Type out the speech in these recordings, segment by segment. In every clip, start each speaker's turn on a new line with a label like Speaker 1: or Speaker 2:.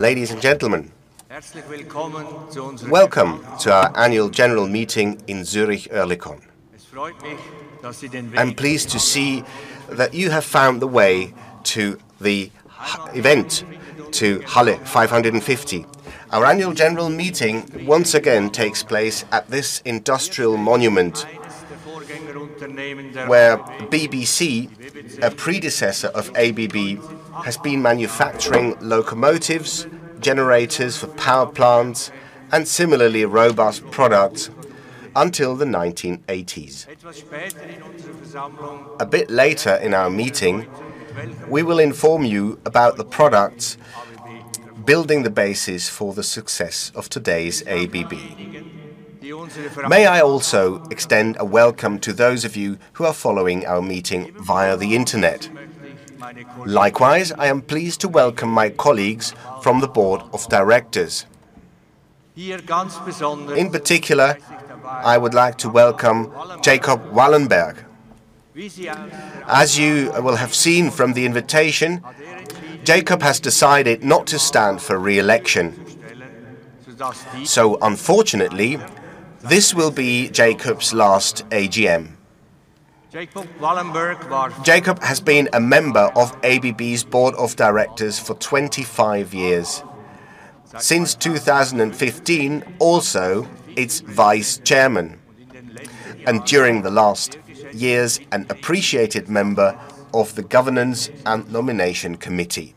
Speaker 1: Ladies and gentlemen, welcome to our Annual General Meeting in Zürich Oerlikon. I'm pleased to see that you have found the way to the event, to Halle 550. Our Annual General Meeting once again takes place at this industrial monument, where BBC, a predecessor of ABB, has been manufacturing locomotives, generators for power plants, and similarly robust products until the 1980s. A bit later in our meeting, we will inform you about the products building the basis for the success of today's ABB. May I also extend a welcome to those of you who are following our meeting via the internet. Likewise, I am pleased to welcome my colleagues from the Board of Directors. In particular, I would like to welcome Jacob Wallenberg. As you will have seen from the invitation, Jacob has decided not to stand for re-election. So, unfortunately, this will be Jacob's last AGM. Jacob has been a member of ABB's Board of Directors for 25 years. Since 2015 also, its Vice Chairman, and during the last years an appreciated member of the Governance and Nomination Committee.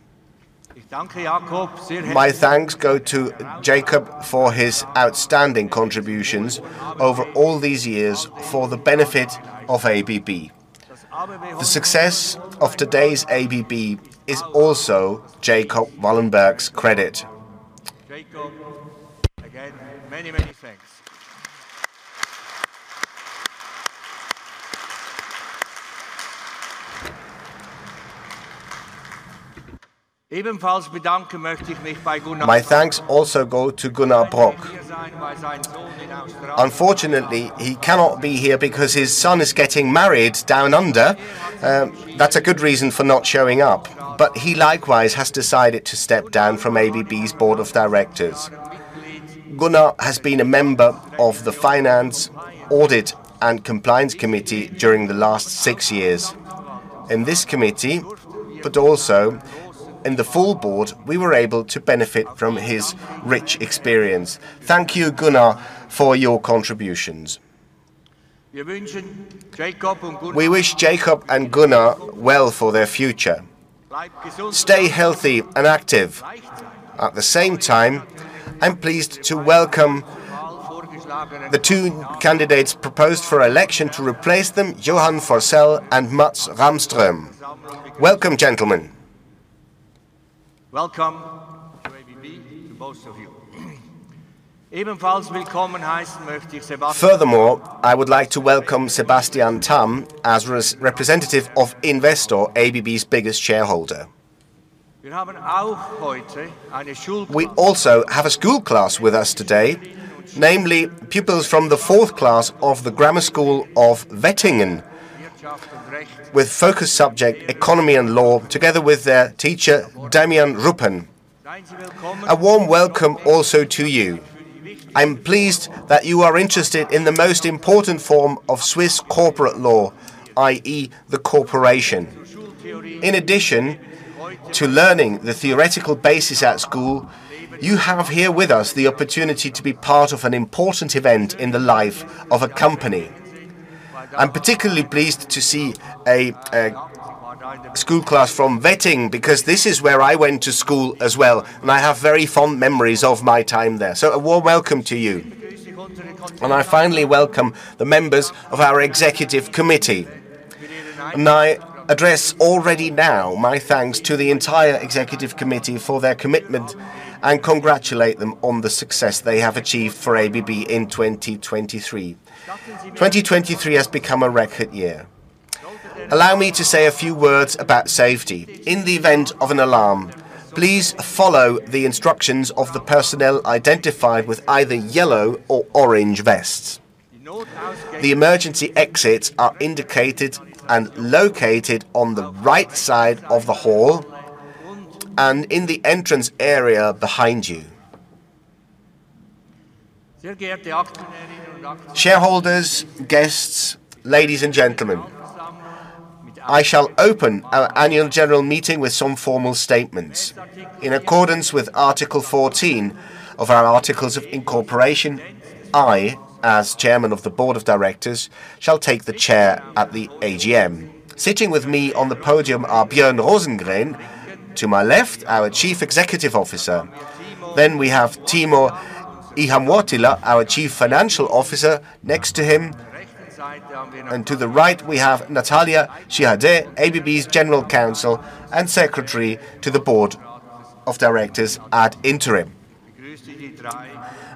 Speaker 1: My thanks go to Jacob for his outstanding contributions over all these years for the benefit of ABB. The success of today's ABB is also Jacob Wallenberg's credit. My thanks also go to Gunnar Brock. Unfortunately, he cannot be here because his son is getting married down under. That's a good reason for not showing up. But he likewise has decided to step down from ABB's Board of Directors. Gunnar has been a member of the Finance, Audit, and Compliance Committee during the last six years. In this committee, but also in the full board, we were able to benefit from his rich experience. Thank you, Gunnar, for your contributions. We wish Jacob and Gunnar well for their future. Stay healthy and active. At the same time, I'm pleased to welcome the two candidates proposed for election to replace them, Johan Forssell and Mats Rahmström. Welcome, gentlemen. Furthermore, I would like to welcome Sebastian Tamm as representative of Investor, ABB's biggest shareholder. We also have a school class with us today, namely pupils from the fourth class of the Grammar School of Wettingen, with focus subject economy and law together with their teacher, Damian Ruppen. A warm welcome also to you. I'm pleased that you are interested in the most important form of Swiss corporate law, i.e., the corporation. In addition to learning the theoretical basis at school, you have here with us the opportunity to be part of an important event in the life of a company. I'm particularly pleased to see a school class from Wettingen because this is where I went to school as well, and I have very fond memories of my time there. So, a warm welcome to you. I finally welcome the members of our Executive Committee. I address already now my thanks to the entire Executive Committee for their commitment and congratulate them on the success they have achieved for ABB in 2023. 2023 has become a record year. Allow me to say a few words about safety. In the event of an alarm, please follow the instructions of the personnel identified with either yellow or orange vests. The emergency exits are indicated and located on the right side of the hall and in the entrance area behind you. Shareholders, guests, ladies and gentlemen, I shall open our Annual General Meeting with some formal statements. In accordance with Article 14 of our Articles of Incorporation, I, as Chairman of the Board of Directors, shall take the chair at the AGM. Sitting with me on the podium are Björn Rosengren. To my left, our Chief Executive Officer. Then we have Timo Ihamuotila, our Chief Financial Officer, next to him. And to the right, we have Natalia Shehadeh, ABB's General Counsel and Secretary to the Board of Directors ad interim.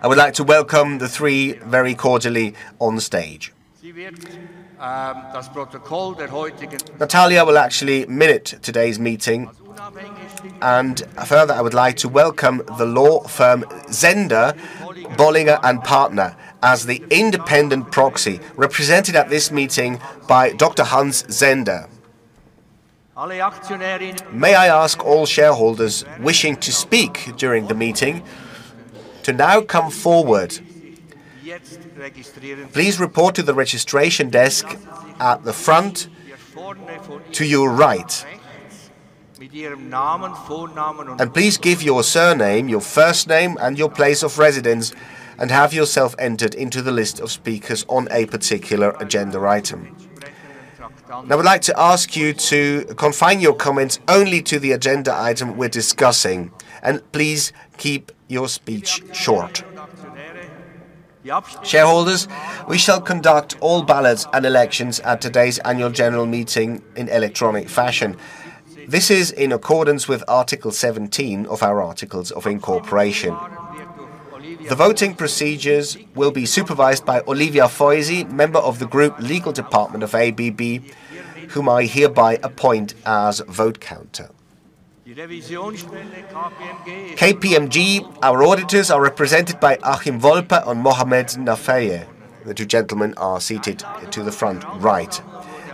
Speaker 1: I would like to welcome the three very cordially on stage. Natalia will actually minute today's meeting. And further, I would like to welcome the law firm Zehnder Bolliger & Partner, as the Independent Proxy represented at this meeting by Dr. Hans Zehnder. May I ask all shareholders wishing to speak during the meeting to now come forward? Please report to the registration desk at the front to your right. Please give your surname, your first name, and your place of residence, and have yourself entered into the list of speakers on a particular agenda item. Now I would like to ask you to confine your comments only to the agenda item we're discussing, and please keep your speech short. Shareholders, we shall conduct all ballots and elections at today's Annual General Meeting in electronic fashion. This is in accordance with Article 17 of our Articles of Incorporation. The voting procedures will be supervised by Olivia Foisy, member of the group legal department of ABB, whom I hereby appoint as vote counter. KPMG, our auditors, are represented by Achim Wolper and Mohammad Nafeie. The two gentlemen are seated to the front right.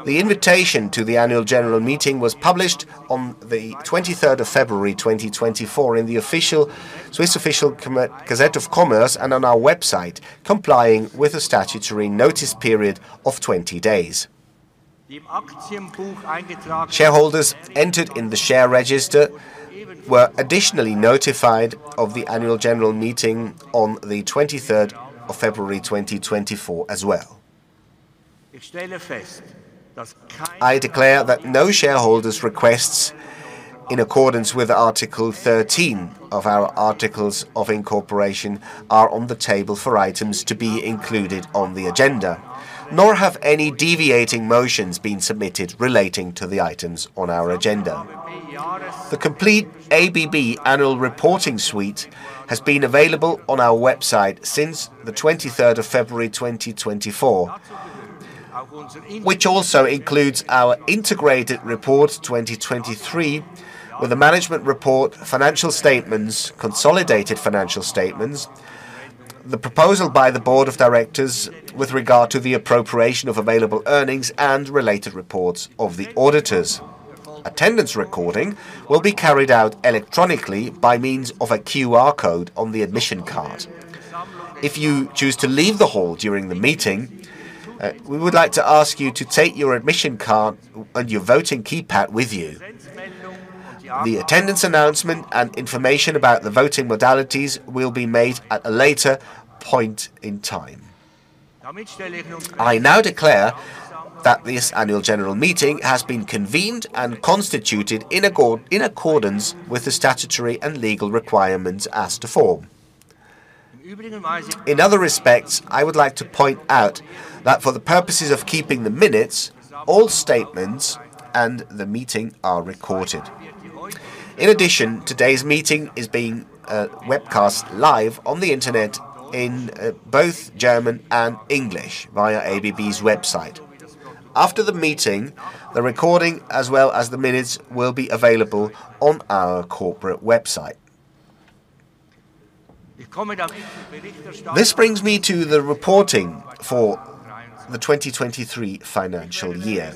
Speaker 1: The invitation to the Annual General Meeting was published on the 23rd of February, 2024, in the Official Swiss Gazette of Commerce and on our website, complying with a statutory notice period of 20 days. Shareholders entered in the share register were additionally notified of the Annual General Meeting on the 23rd of February, 2024, as well. I declare that no shareholders' requests, in accordance with Article 13 of our Articles of Incorporation, are on the table for items to be included on the agenda, nor have any deviating motions been submitted relating to the items on our agenda. The complete ABB annual reporting suite has been available on our website since the 23rd of February, 2024, which also includes our Integrated Report 2023 with the Management Report. Financial statements, consolidated financial statements, the proposal by the Board of Directors with regard to the appropriation of available earnings, and related reports of the auditors. Attendance recording will be carried out electronically by means of a QR code on the admission card. If you choose to leave the hall during the meeting, we would like to ask you to take your admission card and your voting keypad with you. The attendance announcement and information about the voting modalities will be made at a later point in time. I now declare that this Annual General Meeting has been convened and constituted in accordance with the statutory and legal requirements as to form. In other respects, I would like to point out that for the purposes of keeping the minutes, all statements and the meeting are recorded. In addition, today's meeting is being webcast live on the internet in both German and English via ABB's website. After the meeting, the recording as well as the minutes will be available on our corporate website. This brings me to the reporting for the 2023 financial year.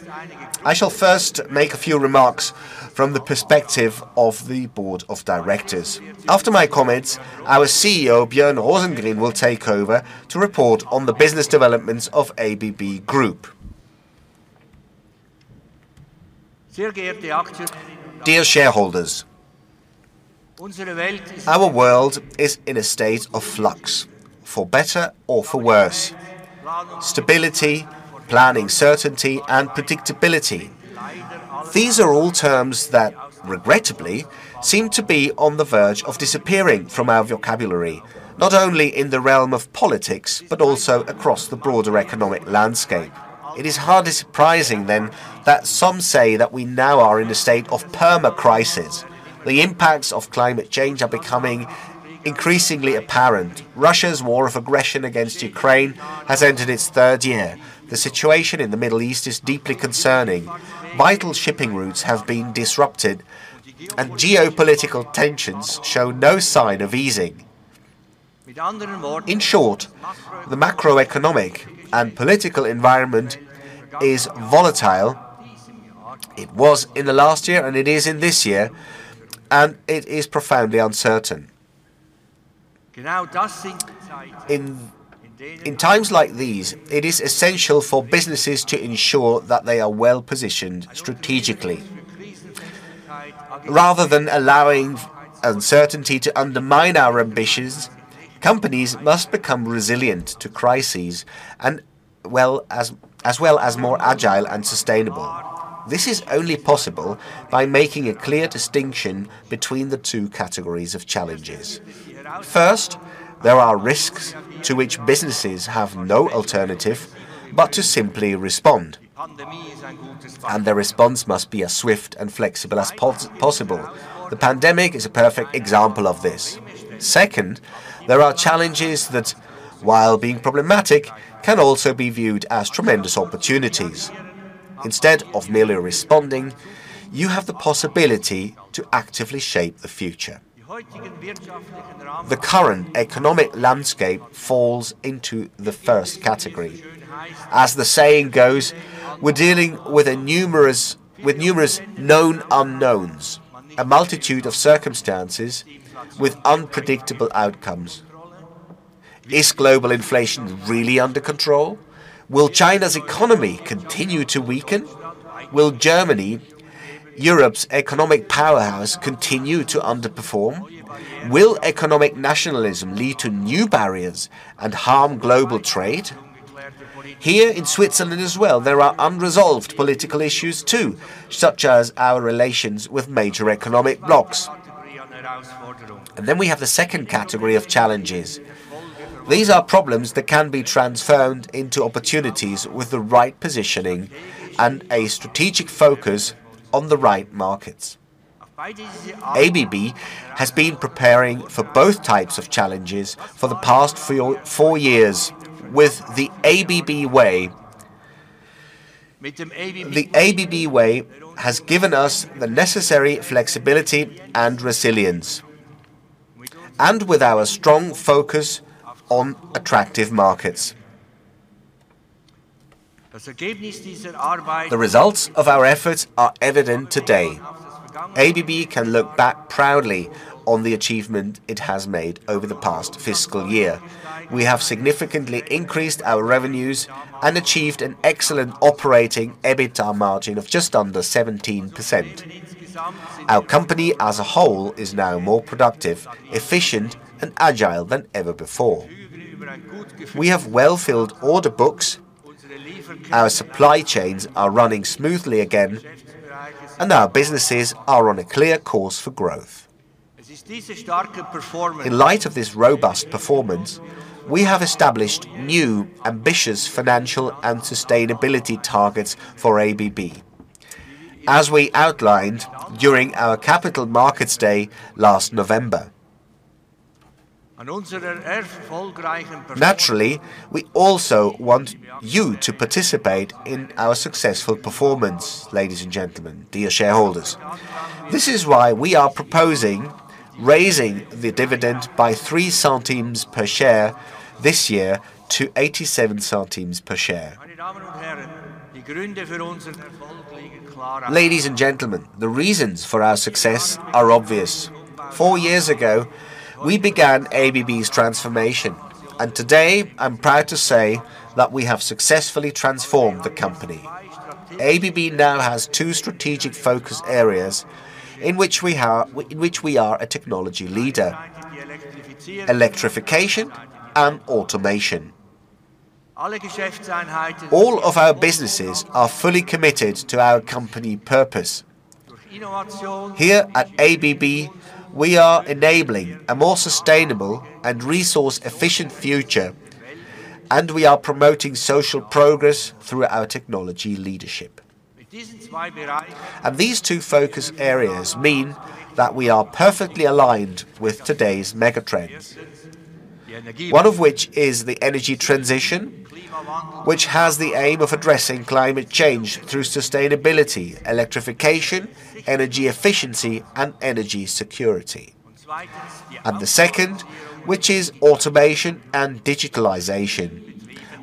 Speaker 1: I shall first make a few remarks from the perspective of the Board of Directors. After my comments, our CEO, Björn Rosengren, will take over to report on the business developments of ABB Group. Dear shareholders, our world is in a state of flux, for better or for worse. Stability, planning certainty, and predictability, these are all terms that, regrettably, seem to be on the verge of disappearing from our vocabulary, not only in the realm of politics but also across the broader economic landscape. It is hardly surprising, then, that some say that we now are in a state of perma-crisis. The impacts of climate change are becoming increasingly apparent. Russia's war of aggression against Ukraine has entered its third year. The situation in the Middle East is deeply concerning. Vital shipping routes have been disrupted, and geopolitical tensions show no sign of easing. In short, the macroeconomic and political environment is volatile. It was in the last year, and it is in this year, and it is profoundly uncertain. In times like these, it is essential for businesses to ensure that they are well-positioned strategically. Rather than allowing uncertainty to undermine our ambitions, companies must become resilient to crises as well as more agile and sustainable. This is only possible by making a clear distinction between the two categories of challenges. First, there are risks to which businesses have no alternative but to simply respond, and their response must be as swift and flexible as possible. The pandemic is a perfect example of this. Second, there are challenges that, while being problematic, can also be viewed as tremendous opportunities. Instead of merely responding, you have the possibility to actively shape the future. The current economic landscape falls into the first category. As the saying goes, we're dealing with numerous known unknowns, a multitude of circumstances with unpredictable outcomes. Is global inflation really under control? Will China's economy continue to weaken? Will Germany, Europe's economic powerhouse, continue to underperform? Will economic nationalism lead to new barriers and harm global trade? Here in Switzerland as well, there are unresolved political issues too, such as our relations with major economic blocs. And then we have the second category of challenges. These are problems that can be transformed into opportunities with the right positioning and a strategic focus on the right markets. ABB has been preparing for both types of challenges for the past four years with the ABB Way. The ABB Way has given us the necessary flexibility and resilience, and with our strong focus on attractive markets. The results of our efforts are evident today. ABB can look back proudly on the achievement it has made over the past fiscal year. We have significantly increased our revenues and achieved an excellent operating EBITDA margin of just under 17%. Our company as a whole is now more productive, efficient, and agile than ever before. We have well-filled order books, our supply chains are running smoothly again, and our businesses are on a clear course for growth. In light of this robust performance, we have established new, ambitious financial and sustainability targets for ABB, as we outlined during our Capital Markets Day last November. Naturally, we also want you to participate in our successful performance, ladies and gentlemen, dear shareholders. This is why we are proposing raising the dividend by 0.03 per share this year to 0.87 per share. Ladies and gentlemen, the reasons for our success are obvious. Four years ago, we began ABB's transformation, and today I'm proud to say that we have successfully transformed the company. ABB now has two strategic focus areas in which we are a technology leader: electrification and automation. All of our businesses are fully committed to our company purpose. Here at ABB, we are enabling a more sustainable and resource-efficient future, and we are promoting social progress through our technology leadership. These two focus areas mean that we are perfectly aligned with today's megatrends, one of which is the energy transition, which has the aim of addressing climate change through sustainability, electrification, energy efficiency, and energy security. And the second, which is automation and digitalization,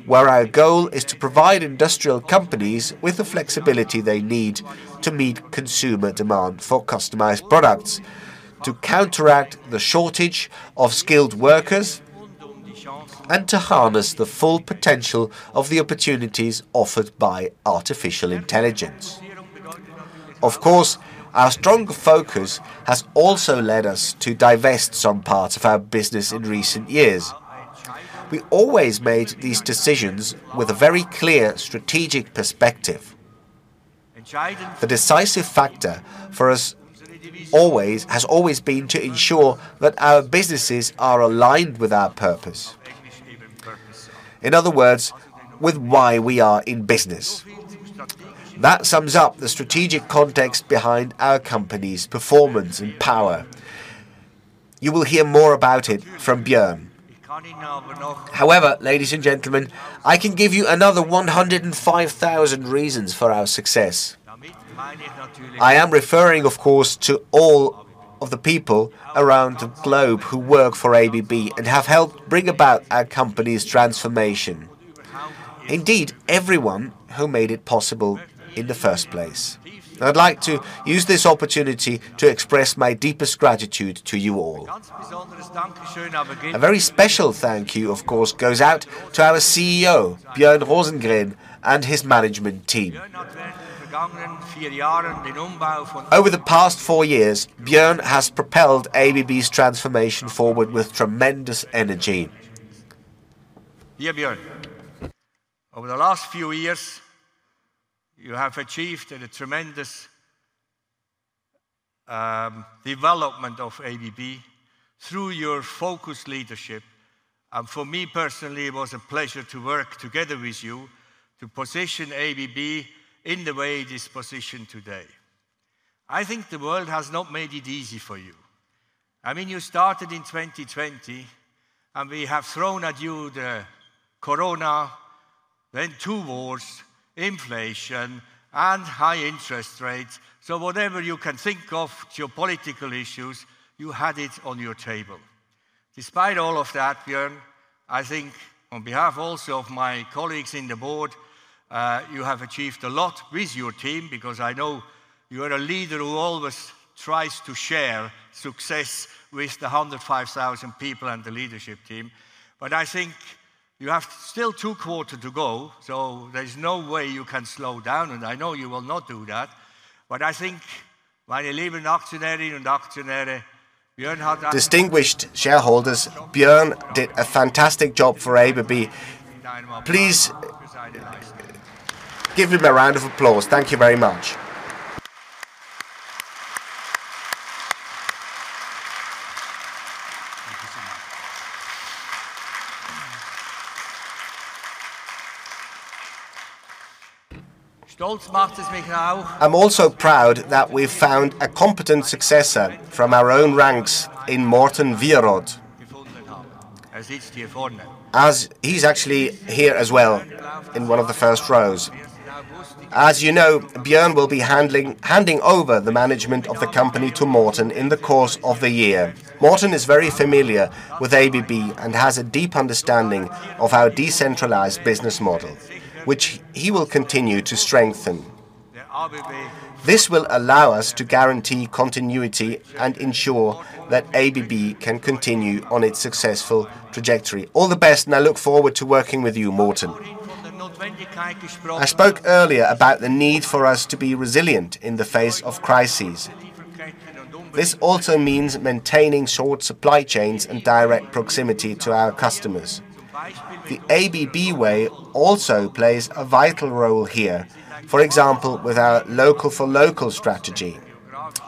Speaker 1: where our goal is to provide industrial companies with the flexibility they need to meet consumer demand for customized products, to counteract the shortage of skilled workers, and to harness the full potential of the opportunities offered by artificial intelligence. Of course, our strong focus has also led us to divest some parts of our business in recent years. We always made these decisions with a very clear strategic perspective. The decisive factor for us has always been to ensure that our businesses are aligned with our purpose, even in other words, with why we are in business. That sums up the strategic context behind our company's performance and power. You will hear more about it from Björn. However, ladies and gentlemen, I can give you another 105,000 reasons for our success. I am referring, of course, to all of the people around the globe who work for ABB and have helped bring about our company's transformation. Indeed, everyone who made it possible in the first place. I'd like to use this opportunity to express my deepest gratitude to you all. A very special thank you, of course, goes out to our CEO, Björn Rosengren, and his management team. Over the past four years, Björn has propelled ABB's transformation forward with tremendous energy. Dear Björn, over the last few years, you have achieved a tremendous development of ABB through your focused leadership. And for me personally, it was a pleasure to work together with you to position ABB in the way it is positioned today. I think the world has not made it easy for you. I mean, you started in 2020, and we have thrown at you the Corona, then two wars, inflation, and high interest rates. So whatever you can think of, your political issues, you had it on your table. Despite all of that, Björn, I think on behalf also of my colleagues in the Board, you have achieved a lot with your team because I know you are a leader who always tries to share success with the 105,000 people and the leadership team. But I think you have still two quarters to go, so there's no way you can slow down, and I know you will not do that. Distinguished shareholders, Björn did a fantastic job for ABB. Please give him a round of applause. Thank you very much. I'm also proud that we've found a competent successor from our own ranks in Morten Wierod, as he's actually here as well in one of the first rows. As you know, Björn will be handing over the management of the company to Morten in the course of the year. Morten is very familiar with ABB and has a deep understanding of our decentralized business model, which he will continue to strengthen. This will allow us to guarantee continuity and ensure that ABB can continue on its successful trajectory. All the best, and I look forward to working with you, Morten. I spoke earlier about the need for us to be resilient in the face of crises. This also means maintaining short supply chains and direct proximity to our customers. The ABB Way also plays a vital role here, for example, with our Local-for-local strategy.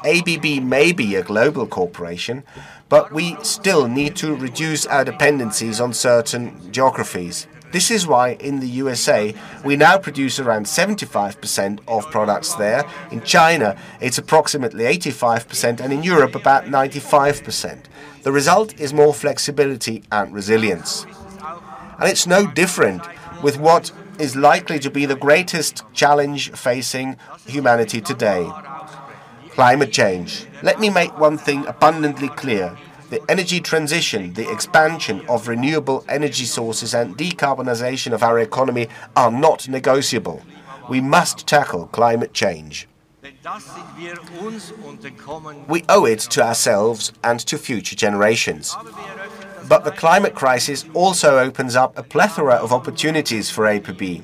Speaker 1: ABB may be a global corporation, but we still need to reduce our dependencies on certain geographies. This is why in the U.S.A., we now produce around 75% of products there. In China, it's approximately 85%, and in Europe, about 95%. The result is more flexibility and resilience. And it's no different with what is likely to be the greatest challenge facing humanity today: climate change. Let me make one thing abundantly clear. The energy transition, the expansion of renewable energy sources, and decarbonization of our economy are not negotiable. We must tackle climate change. We owe it to ourselves and to future generations. But the climate crisis also opens up a plethora of opportunities for ABB.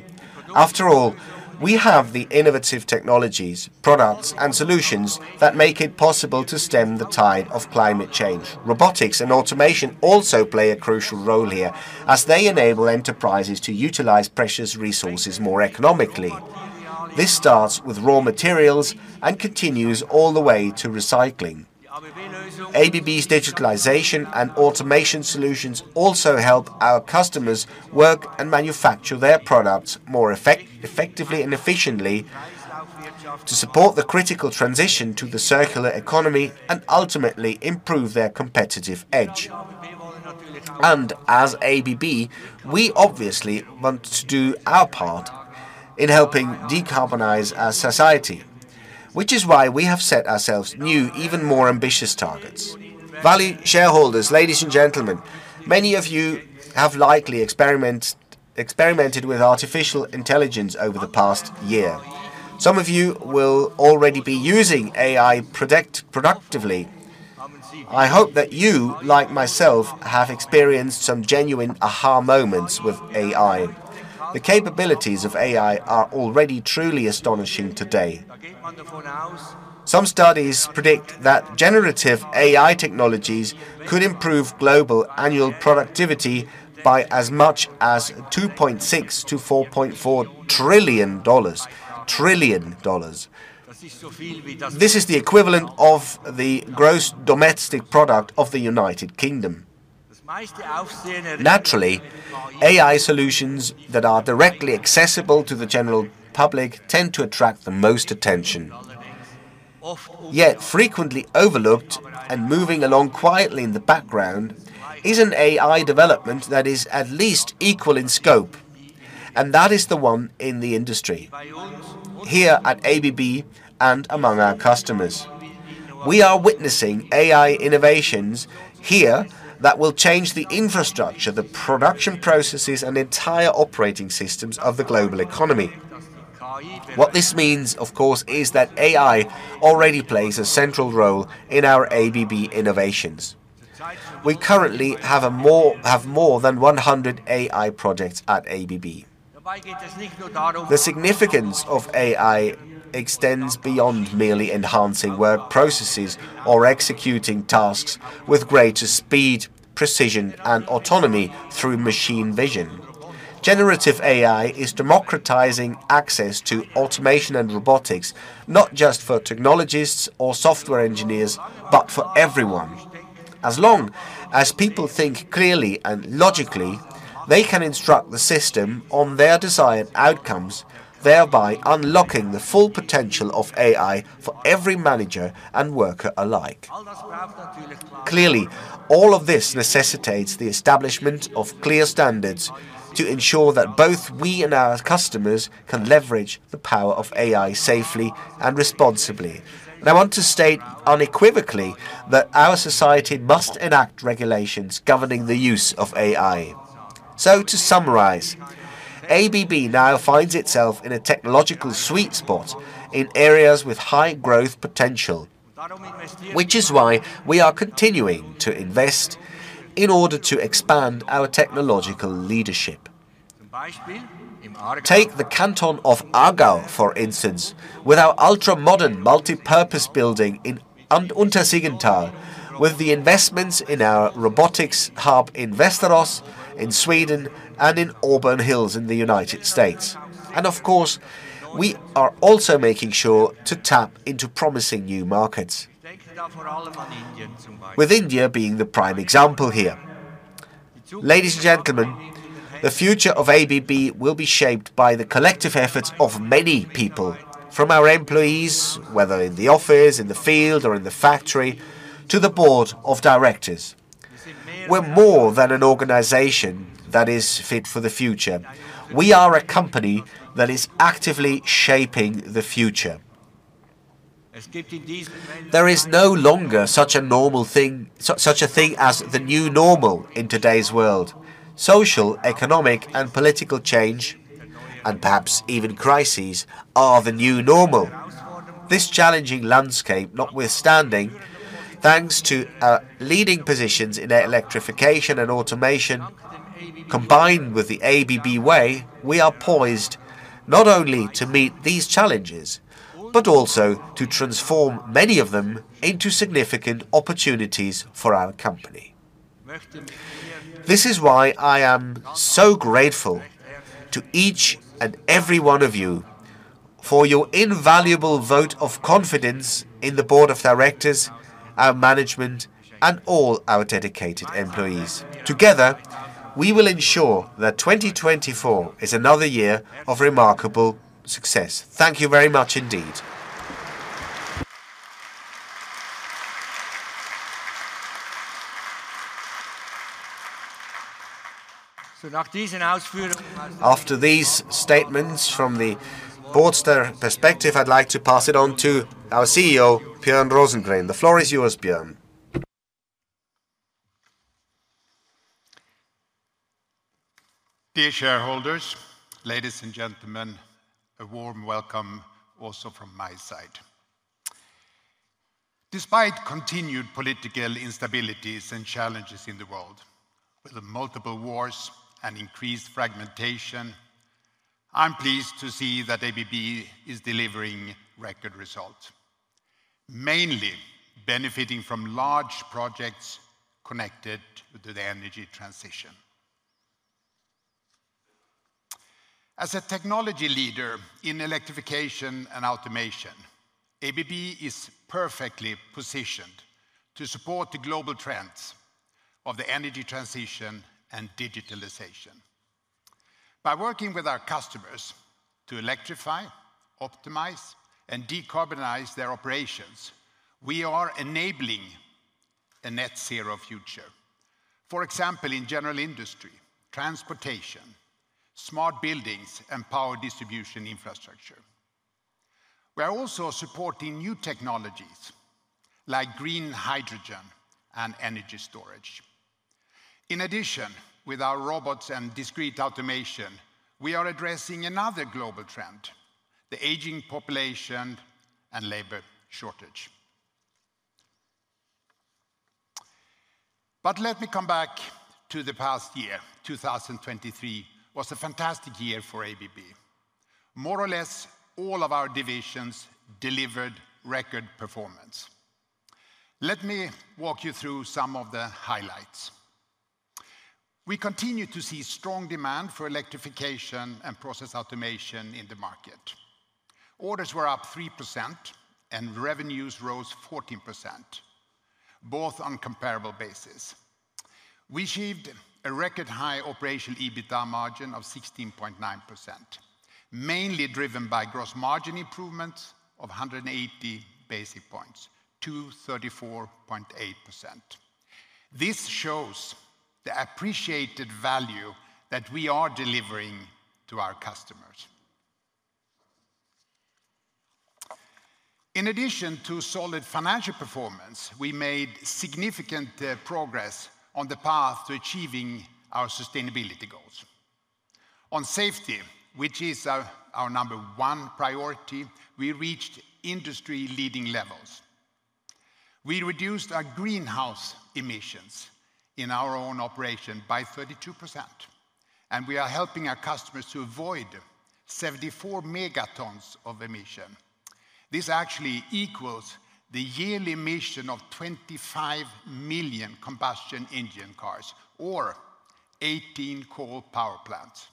Speaker 1: After all, we have the innovative technologies, products, and solutions that make it possible to stem the tide of climate change. Robotics and automation also play a crucial role here, as they enable enterprises to utilize precious resources more economically. This starts with raw materials and continues all the way to recycling. ABB's digitalization and automation solutions also help our customers work and manufacture their products more effectively and efficiently to support the critical transition to the circular economy and ultimately improve their competitive edge. As ABB, we obviously want to do our part in helping decarbonize our society, which is why we have set ourselves new, even more ambitious targets. Valued shareholders, ladies and gentlemen, many of you have likely experimented with artificial intelligence over the past year. Some of you will already be using AI productively. I hope that you, like myself, have experienced some genuine aha moments with AI. The capabilities of AI are already truly astonishing today. Some studies predict that generative AI technologies could improve global annual productivity by as much as $2.6 trillion-$4.4 trillion. This is the equivalent of the gross domestic product of the United Kingdom. Naturally, AI solutions that are directly accessible to the general public tend to attract the most attention. Yet frequently overlooked and moving along quietly in the background is an AI development that is at least equal in scope, and that is the one in the industry, here at ABB and among our customers. We are witnessing AI innovations here that will change the infrastructure, the production processes, and entire operating systems of the global economy. What this means, of course, is that AI already plays a central role in our ABB innovations. We currently have more than 100 AI projects at ABB. The significance of AI extends beyond merely enhancing word processes or executing tasks with greater speed, precision, and autonomy through machine vision. Generative AI is democratizing access to automation and robotics, not just for technologists or software engineers, but for everyone. As long as people think clearly and logically, they can instruct the system on their desired outcomes, thereby unlocking the full potential of AI for every manager and worker alike. Clearly, all of this necessitates the establishment of clear standards to ensure that both we and our customers can leverage the power of AI safely and responsibly. I want to state unequivocally that our society must enact regulations governing the use of AI. So, to summarize, ABB now finds itself in a technological sweet spot in areas with high growth potential, which is why we are continuing to invest in order to expand our technological leadership. Take the Canton of Aargau, for instance, with our ultra-modern multipurpose building in Untersiggenthal, with the investments in our robotics hub in Västerås in Sweden and in Auburn Hills in the United States. And of course, we are also making sure to tap into promising new markets, with India being the prime example here. Ladies and gentlemen, the future of ABB will be shaped by the collective efforts of many people, from our employees, whether in the office, in the field, or in the factory, to the Board of Directors. We're more than an organization that is fit for the future. We are a company that is actively shaping the future. There is no longer such a normal thing as the new normal in today's world. Social, economic, and political change, and perhaps even crises, are the new normal. This challenging landscape is notwithstanding. Thanks to our leading positions in electrification and automation, combined with the ABB Way, we are poised not only to meet these challenges but also to transform many of them into significant opportunities for our company. This is why I am so grateful to each and every one of you for your invaluable vote of confidence in the Board of Directors, our management, and all our dedicated employees. Together, we will ensure that 2024 is another year of remarkable success. Thank you very much indeed. After these statements from the board's perspective, I'd like to pass it on to our CEO, Björn Rosengren. The floor is yours, Björn.
Speaker 2: Dear shareholders, ladies and gentlemen, a warm welcome also from my side. Despite continued political instabilities and challenges in the world, with multiple wars and increased fragmentation, I'm pleased to see that ABB is delivering record results, mainly benefiting from large projects connected to the energy transition. As a technology leader in electrification and automation, ABB is perfectly positioned to support the global trends of the energy transition and digitalization. By working with our customers to electrify, optimize, and decarbonize their operations, we are enabling a net zero future, for example, in general industry, transportation, smart buildings, and power distribution infrastructure. We are also supporting new technologies like green hydrogen and energy storage. In addition, with our robots and discrete automation, we are addressing another global trend: the aging population and labor shortage. But let me come back to the past year. 2023 was a fantastic year for ABB. More or less, all of our divisions delivered record performance. Let me walk you through some of the highlights. We continue to see strong demand for electrification and process automation in the market. Orders were up 3%, and revenues rose 14%, both on comparable basis. We achieved a record high operational EBITDA margin of 16.9%, mainly driven by gross margin improvements of 180 basis points to 34.8%. This shows the appreciated value that we are delivering to our customers. In addition to solid financial performance, we made significant progress on the path to achieving our sustainability goals. On safety, which is our number one priority, we reached industry-leading levels. We reduced our greenhouse emissions in our own operation by 32%, and we are helping our customers to avoid 74 megatons of emission. This actually equals the yearly emission of 25 million combustion engine cars or 18 coal power plants.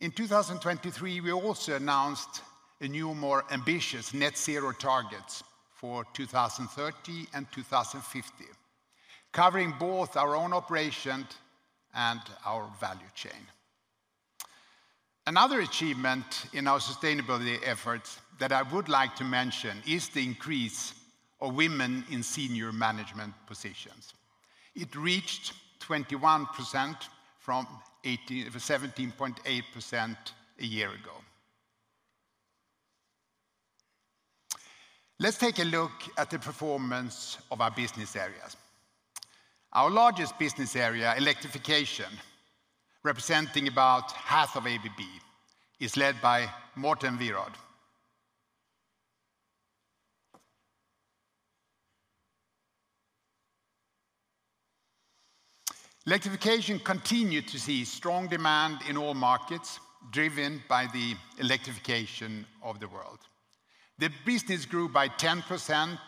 Speaker 2: In 2023, we also announced a new, more ambitious net zero target for 2030 and 2050, covering both our own operation and our value chain. Another achievement in our sustainability efforts that I would like to mention is the increase of women in senior management positions. It reached 21% from 17.8% a year ago. Let's take a look at the performance of our business areas. Our largest business area, electrification, representing about half of ABB, is led by Morten Wierod. Electrification continued to see strong demand in all markets, driven by the electrification of the world. The business grew by 10%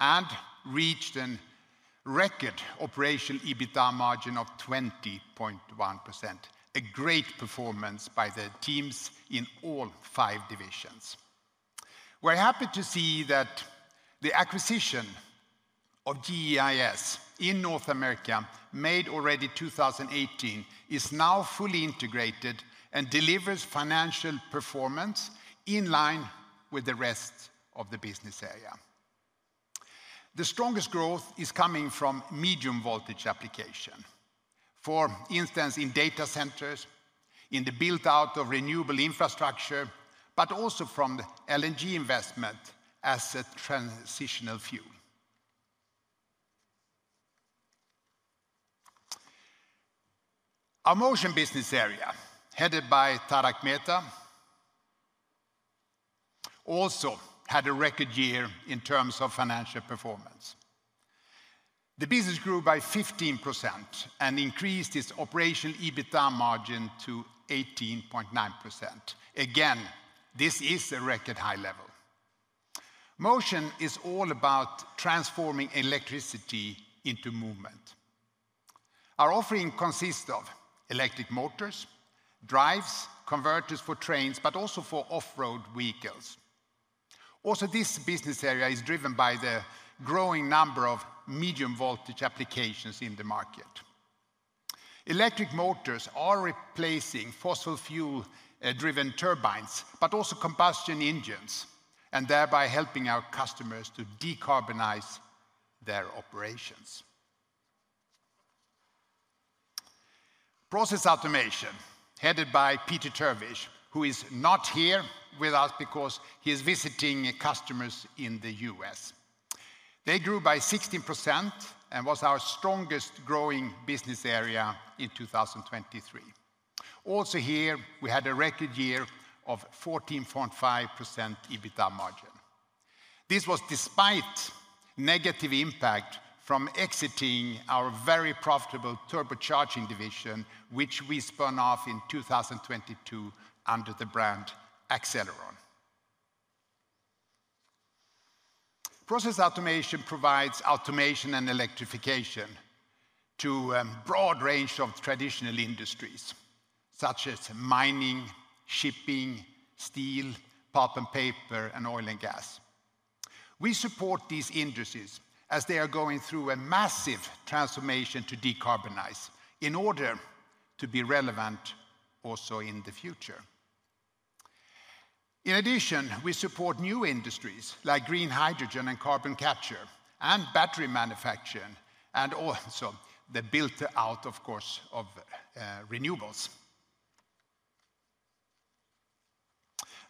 Speaker 2: and reached a record operational EBITDA margin of 20.1%, a great performance by the teams in all five divisions. We're happy to see that the acquisition of GEIS in North America, made already in 2018, is now fully integrated and delivers financial performance in line with the rest of the business area. The strongest growth is coming from medium voltage application, for instance, in data centers, in the build-out of renewable infrastructure, but also from the LNG investment as a transitional fuel. Our motion business area, headed by Tarak Mehta, also had a record year in terms of financial performance. The business grew by 15% and increased its operational EBITDA margin to 18.9%. Again, this is a record high level. Motion is all about transforming electricity into movement. Our offering consists of electric motors, drives, converters for trains, but also for off-road vehicles. Also, this business area is driven by the growing number of medium voltage applications in the market. Electric motors are replacing fossil fuel-driven turbines, but also combustion engines, and thereby helping our customers to decarbonize their operations. Process automation, headed by Peter Terwiesch, who is not here with us because he is visiting customers in the U.S. They grew by 16% and were our strongest growing business area in 2023. Also here, we had a record year of 14.5% EBITDA margin. This was despite negative impact from exiting our very profitable turbocharging division, which we spun off in 2022 under the brand Accelleron. Process automation provides automation and electrification to a broad range of traditional industries, such as mining, shipping, steel, pulp and paper, and oil and gas. We support these industries as they are going through a massive transformation to decarbonize in order to be relevant also in the future. In addition, we support new industries like green hydrogen and carbon capture and battery manufacturing and also the build-out, of course, of renewables.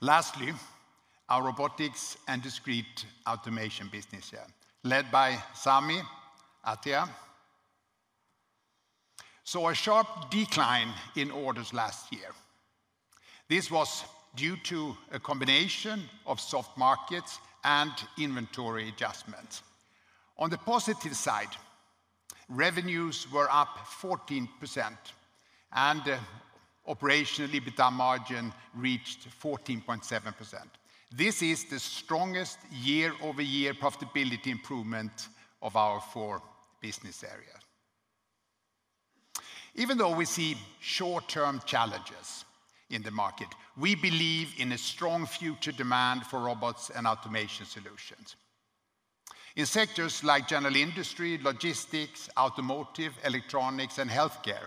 Speaker 2: Lastly, our robotics and discrete automation business area, led by Sami Atiya, saw a sharp decline in orders last year. This was due to a combination of soft markets and inventory adjustments. On the positive side, revenues were up 14%, and the operational EBITDA margin reached 14.7%. This is the strongest year-over-year profitability improvement of our four business areas. Even though we see short-term challenges in the market, we believe in a strong future demand for robots and automation solutions. In sectors like general industry, logistics, automotive, electronics, and healthcare,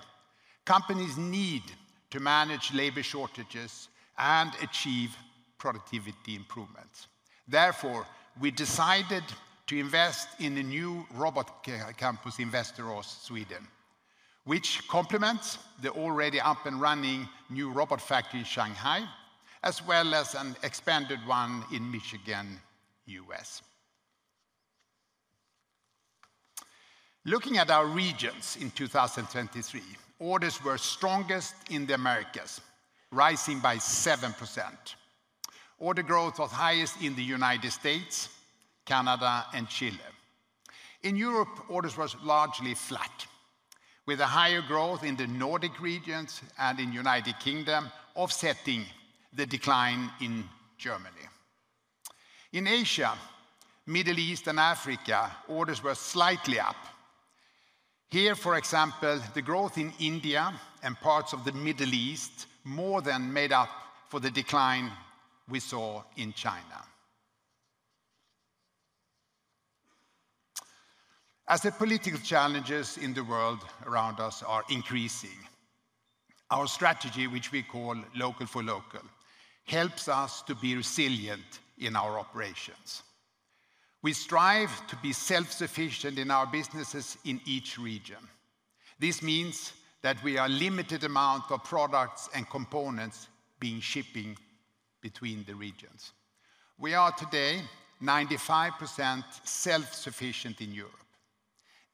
Speaker 2: companies need to manage labor shortages and achieve productivity improvements. Therefore, we decided to invest in the new robot campus in Västerås, Sweden, which complements the already up and running new robot factory in Shanghai, as well as an expanded one in Michigan, U.S. Looking at our regions in 2023, orders were strongest in the Americas, rising by 7%. Order growth was highest in the United States, Canada, and Chile. In Europe, orders were largely flat, with a higher growth in the Nordic regions and in the United Kingdom, offsetting the decline in Germany. In Asia, the Middle East, and Africa, orders were slightly up. Here, for example, the growth in India and parts of the Middle East more than made up for the decline we saw in China. As the political challenges in the world around us are increasing, our strategy, which we call local for local, helps us to be resilient in our operations. We strive to be self-sufficient in our businesses in each region. This means that we have a limited amount of products and components being shipped between the regions. We are today 95% self-sufficient in Europe,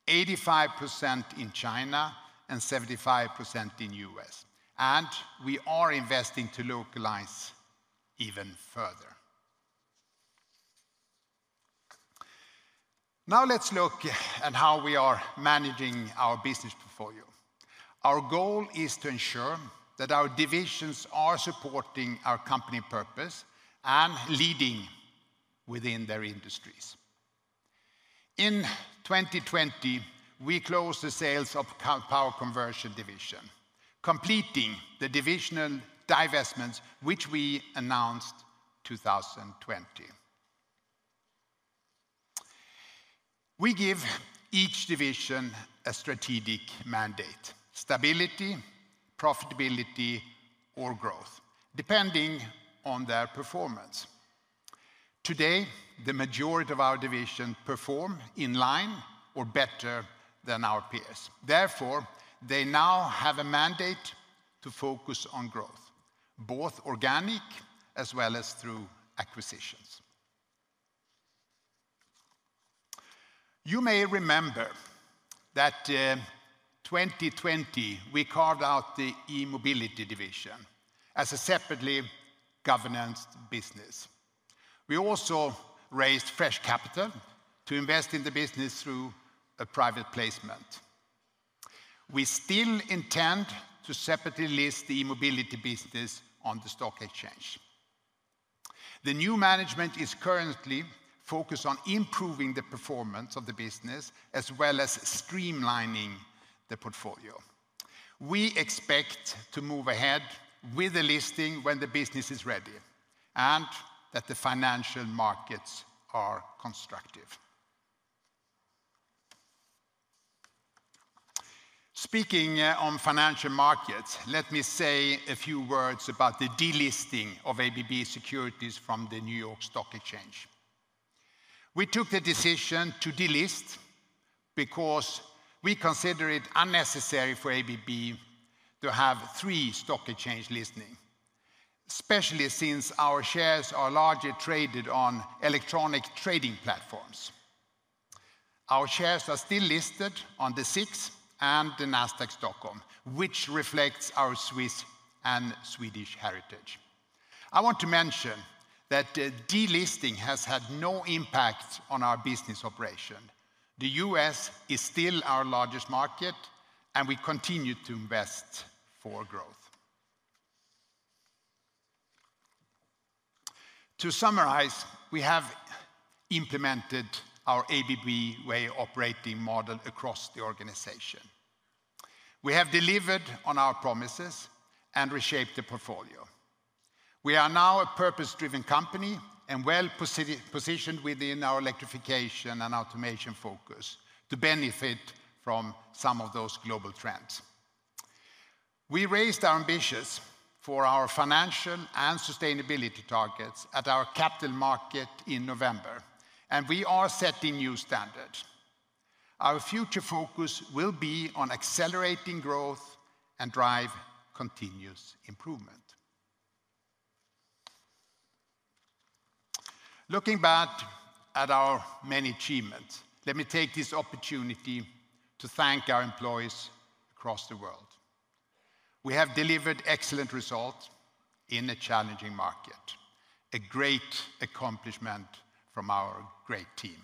Speaker 2: 85% in China, and 75% in the U.S. We are investing to localize even further. Now let's look at how we are managing our business portfolio. Our goal is to ensure that our divisions are supporting our company purpose and leading within their industries. In 2020, we closed the sales of the Power Conversion division, completing the divisional divestments which we announced in 2020. We give each division a strategic mandate: stability, profitability, or growth, depending on their performance. Today, the majority of our divisions perform in line or better than our peers. Therefore, they now have a mandate to focus on growth, both organic as well as through acquisitions. You may remember that in 2020, we carved out the E-mobility division as a separately governed business. We also raised fresh capital to invest in the business through private placement. We still intend to separately list the E-mobility business on the stock exchange. The new management is currently focused on improving the performance of the business as well as streamlining the portfolio. We expect to move ahead with the listing when the business is ready and that the financial markets are constructive. Speaking of financial markets, let me say a few words about the delisting of ABB Securities from the New York Stock Exchange. We took the decision to delist because we consider it unnecessary for ABB to have three stock exchange listings, especially since our shares are largely traded on electronic trading platforms. Our shares are still listed on the SIX and the Nasdaq Stockholm, which reflects our Swiss and Swedish heritage. I want to mention that delisting has had no impact on our business operation. The U.S. is still our largest market, and we continue to invest for growth. To summarize, we have implemented our ABB Way of operating model across the organization. We have delivered on our promises and reshaped the portfolio. We are now a purpose-driven company and well positioned within our electrification and automation focus to benefit from some of those global trends. We raised our ambitions for our financial and sustainability targets at our capital market in November, and we are setting new standards. Our future focus will be on accelerating growth and driving continuous improvement. Looking back at our many achievements, let me take this opportunity to thank our employees across the world. We have delivered excellent results in a challenging market, a great accomplishment from our great team.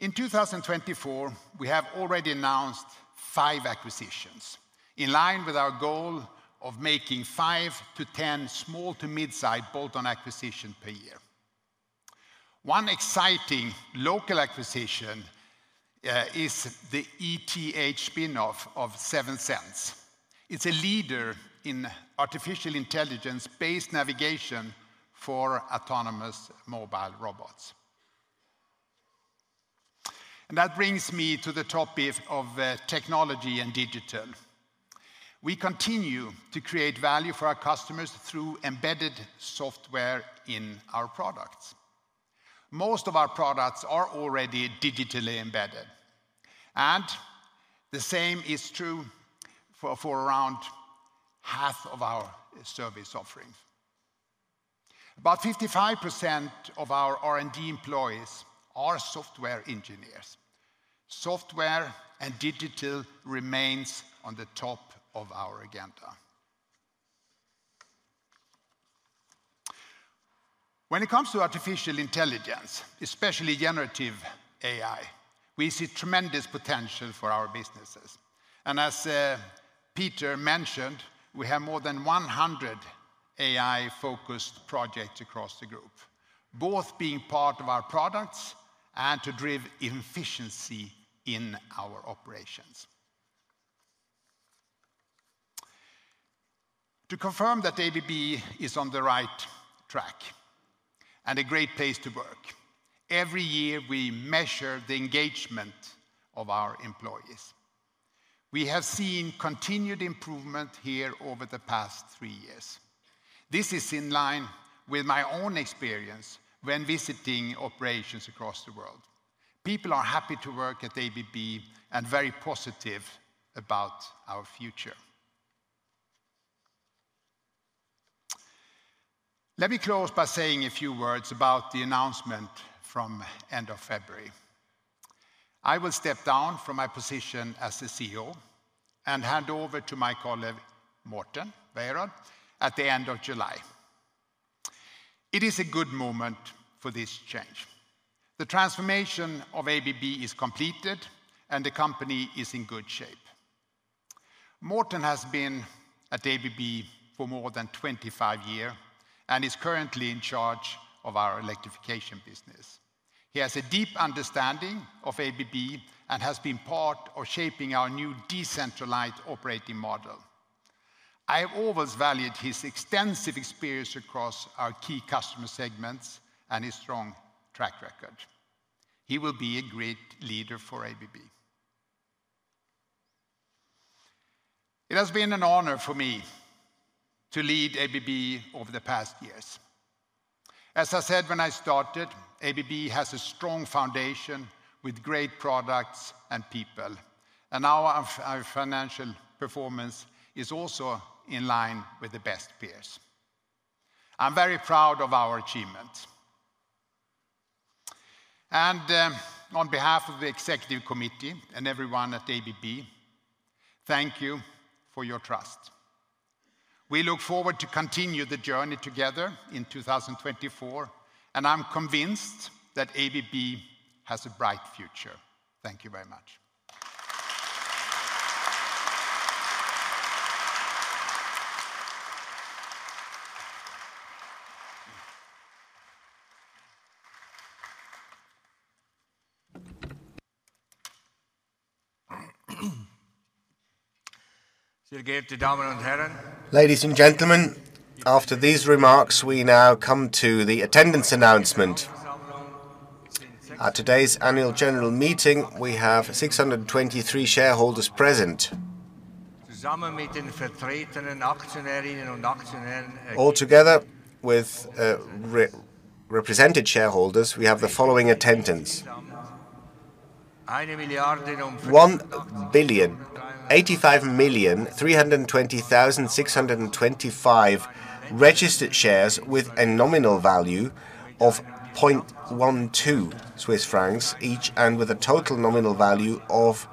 Speaker 2: In 2024, we have already announced five acquisitions in line with our goal of making 5-10 small to mid-sized bolt-on acquisitions per year. One exciting local acquisition is the ETH spinoff of Sevensense. It's a leader in artificial intelligence-based navigation for autonomous mobile robots. And that brings me to the topic of technology and digital. We continue to create value for our customers through embedded software in our products. Most of our products are already digitally embedded, and the same is true for around half of our service offerings. About 55% of our R&D employees are software engineers. Software and digital remain on the top of our agenda. When it comes to artificial intelligence, especially generative AI, we see tremendous potential for our businesses. As Peter mentioned, we have more than 100 AI-focused projects across the group, both being part of our products and to drive efficiency in our operations. To confirm that ABB is on the right track and a great place to work, every year we measure the engagement of our employees. We have seen continued improvement here over the past three years. This is in line with my own experience when visiting operations across the world. People are happy to work at ABB and very positive about our future. Let me close by saying a few words about the announcement from the end of February. I will step down from my position as the CEO and hand over to my colleague Morten Wierod at the end of July. It is a good moment for this change. The transformation of ABB is completed, and the company is in good shape. Morten has been at ABB for more than 25 years and is currently in charge of our electrification business. He has a deep understanding of ABB and has been part of shaping our new decentralized operating model. I have always valued his extensive experience across our key customer segments and his strong track record. He will be a great leader for ABB. It has been an honor for me to lead ABB over the past years. As I said when I started, ABB has a strong foundation with great products and people, and our financial performance is also in line with the best peers. I'm very proud of our achievements. On behalf of the Executive Committee and everyone at ABB, thank you for your trust. We look forward to continuing the journey together in 2024, and I'm convinced that ABB has a bright future. Thank you very much.
Speaker 1: Ladies and gentlemen, after these remarks, we now come to the attendance announcement. At today's Annual General Meeting, we have 623 shareholders present. Altogether, with represented shareholders, we have the following attendance: 1,085,320,625 registered shares with a nominal value of 0.12 Swiss francs each, and with a total nominal value of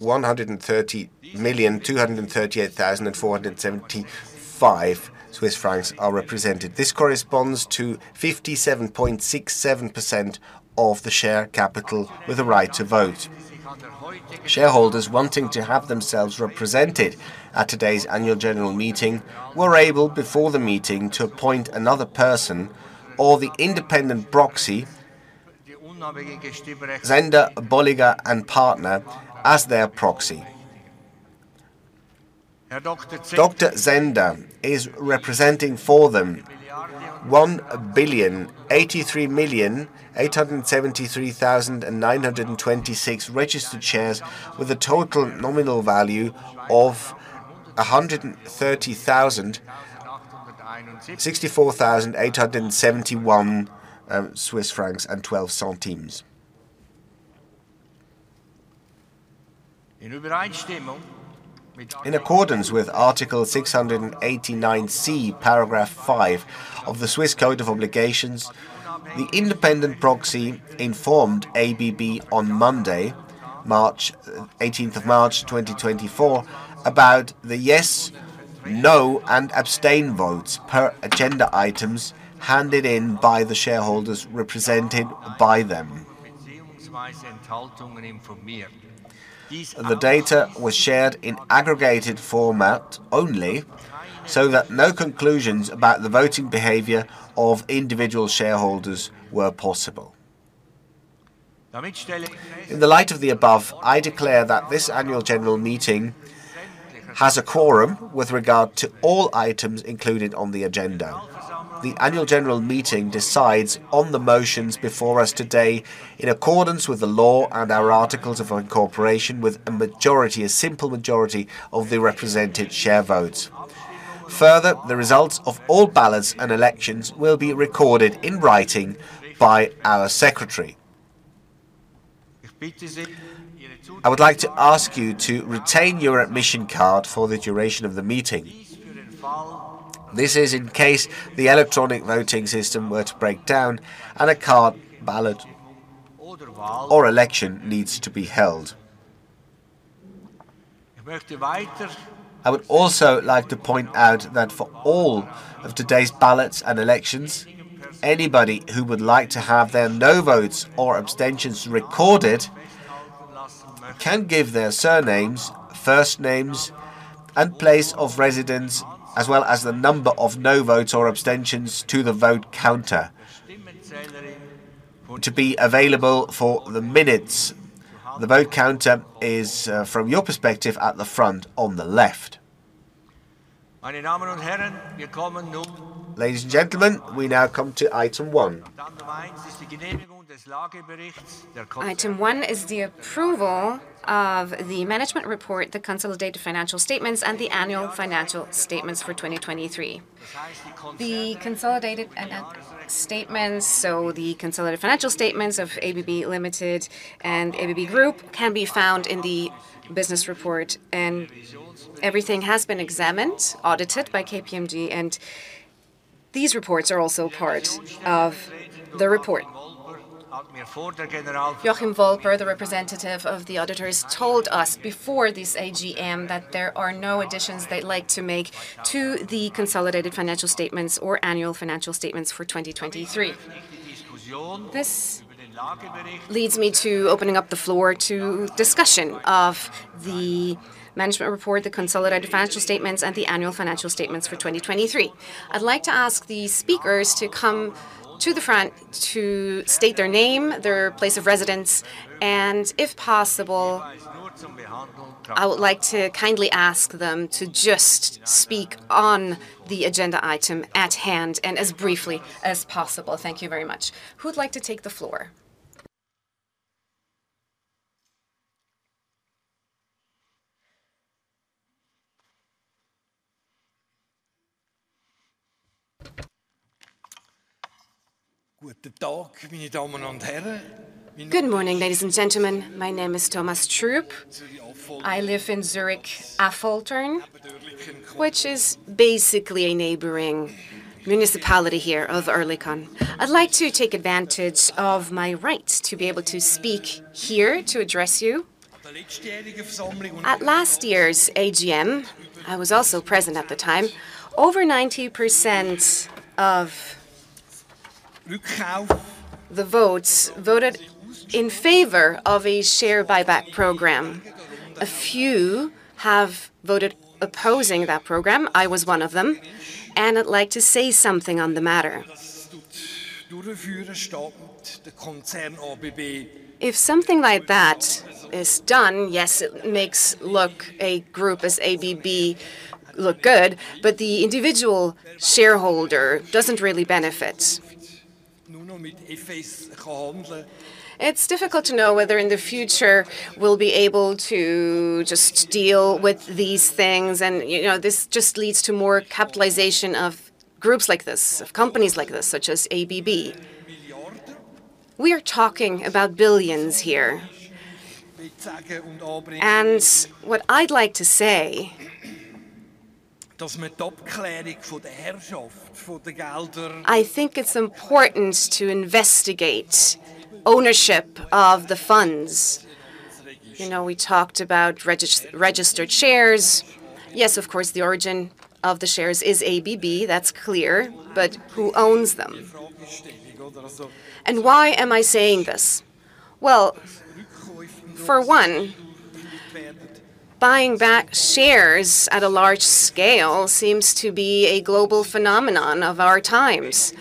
Speaker 1: 130,238,475 Swiss francs are represented. This corresponds to 57.67% of the share capital with a right to vote. Shareholders wanting to have themselves represented at today's Annual General Meeting were able, before the meeting, to appoint another person or the Independent Proxy, Zehnder Bolliger & Partner, as their proxy. Dr. Zehnder is representing for them 1,083,873,926 registered shares with a total nominal value of 130,064,871.12. In accordance with Article 689C, paragraph 5 of the Swiss Code of Obligations, the Independent Proxy informed ABB on Monday, March 18, 2024, about the yes, no, and abstain votes per agenda items handed in by the shareholders represented by them. The data was shared in aggregated format only so that no conclusions about the voting behavior of individual shareholders were possible. In the light of the above, I declare that this Annual General Meeting has a quorum with regard to all items included on the agenda. The Annual General Meeting decides on the motions before us today in accordance with the law and our articles of incorporation with a majority, a simple majority of the represented share votes. Further, the results of all ballots and elections will be recorded in writing by our secretary. I would like to ask you to retain your admission card for the duration of the meeting. This is in case the electronic voting system were to break down and a card, ballot, or election needs to be held. I would also like to point out that for all of today's ballots and elections, anybody who would like to have their no votes or abstentions recorded can give their surnames, first names, and place of residence as well as the number of no votes or abstentions to the vote counter to be available for the minutes. The vote counter is, from your perspective, at the front on the left. Ladies and gentlemen, we now come to item one. Item one is the approval of the Management Report, the consolidated financial statements, and the annual financial statements for 2023. The consolidated statements, so the consolidated financial statements of ABB Ltd and ABB Group, can be found in the business report, and everything has been examined, audited by KPMG, and these reports are also part of the report. Achim Wolper, the representative of the auditors, told us before this AGM that there are no additions they'd like to make to the consolidated financial statements or annual financial statements for 2023. This leads me to opening up the floor to discussion of the Management Report, the consolidated financial statements, and the annual financial statements for 2023. I'd like to ask the speakers to come to the front to state their name, their place of residence, and if possible, I would like to kindly ask them to just speak on the agenda item at hand and as briefly as possible. Thank you very much. Who would like to take the floor?
Speaker 3: Good morning, ladies and gentlemen. My name is Thomas Schrupp. I live in Zürich-Affoltern, which is basically a neighboring municipality here of Oerlikon. I'd like to take advantage of my right to be able to speak here to address you. At last year's AGM, I was also present at the time, over 90% of the votes voted in favor of a share buyback program. A few have voted opposing that program. I was one of them. And I'd like to say something on the matter. If something like that is done, yes, it makes look a group as ABB look good, but the individual shareholder doesn't really benefit. It's difficult to know whether in the future we'll be able to just deal with these things, and this just leads to more capitalization of groups like this, of companies like this, such as ABB. We are talking about billions here. What I'd like to say, I think it's important to investigate ownership of the funds. We talked about registered shares. Yes, of course, the origin of the shares is ABB. That's clear. But who owns them? And why am I saying this? Well, for one, buying back shares at a large scale seems to be a global phenomenon of our times.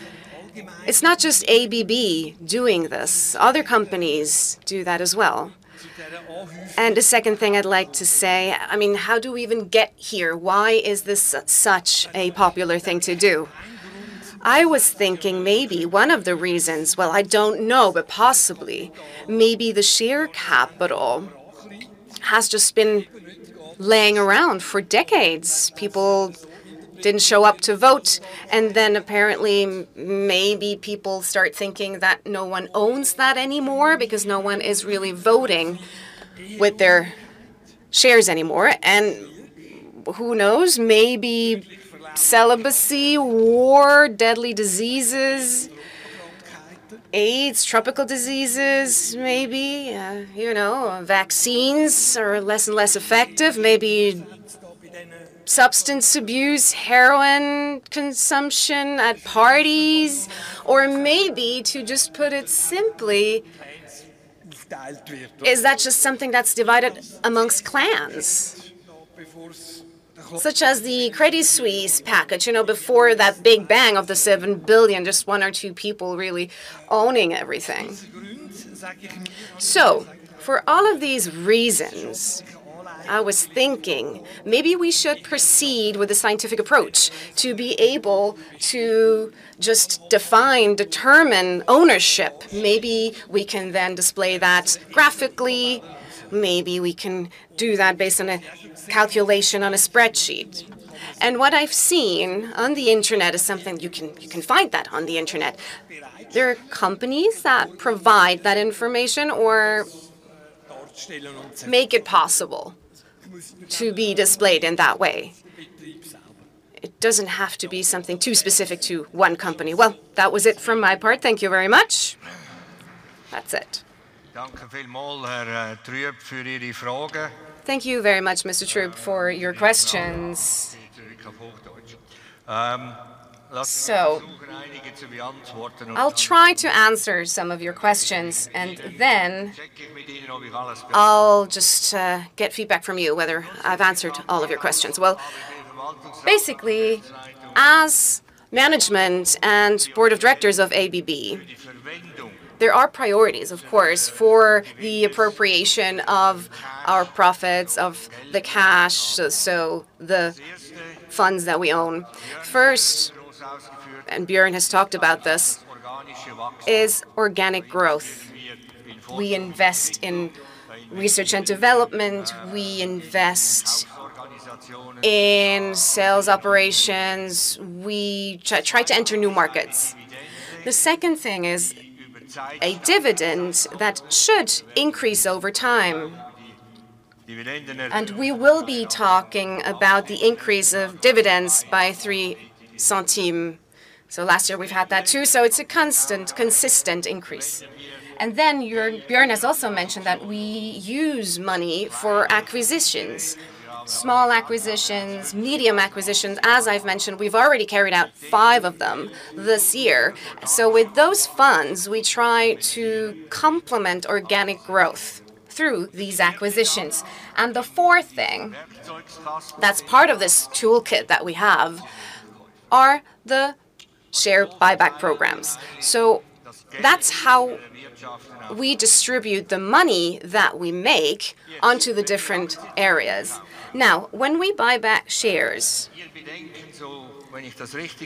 Speaker 3: It's not just ABB doing this. Other companies do that as well. And the second thing I'd like to say, I mean, how do we even get here? Why is this such a popular thing to do? I was thinking maybe one of the reasons, well, I don't know, but possibly, maybe the share capital has just been laying around for decades. People didn't show up to vote, and then apparently maybe people start thinking that no one owns that anymore because no one is really voting with their shares anymore. And who knows? Maybe celibacy, war, deadly diseases, AIDS, tropical diseases, maybe. You know, vaccines are less and less effective. Maybe substance abuse, heroin consumption at parties, or maybe, to just put it simply, is that just something that's divided amongst clans, such as the Credit Suisse package, you know, before that big bang of the 7 billion, just one or two people really owning everything. So, for all of these reasons, I was thinking maybe we should proceed with a scientific approach to be able to just define, determine ownership. Maybe we can then display that graphically. Maybe we can do that based on a calculation on a spreadsheet. What I've seen on the internet is something you can find that on the internet. There are companies that provide that information or make it possible to be displayed in that way. It doesn't have to be something too specific to one company. Well, that was it from my part. Thank you very much. That's it.
Speaker 1: Thank you very much, Mr. Schrupp, for your questions. So, I'll try to answer some of your questions, and then I'll just get feedback from you whether I've answered all of your questions. Well, basically, as management and Board of Directors of ABB, there are priorities, of course, for the appropriation of our profits, of the cash, so the funds that we own. First, and Björn has talked about this, is organic growth. We invest in research and development. We invest in sales operations. We try to enter new markets. The second thing is a dividend that should increase over time. And we will be talking about the increase of dividends by 0.03. So last year we've had that too. So it's a constant, consistent increase. And then Björn has also mentioned that we use money for acquisitions, small acquisitions, medium acquisitions. As I've mentioned, we've already carried out five of them this year. So with those funds, we try to complement organic growth through these acquisitions. And the fourth thing that's part of this toolkit that we have are the share buyback programs. So that's how we distribute the money that we make onto the different areas. Now, when we buy back shares,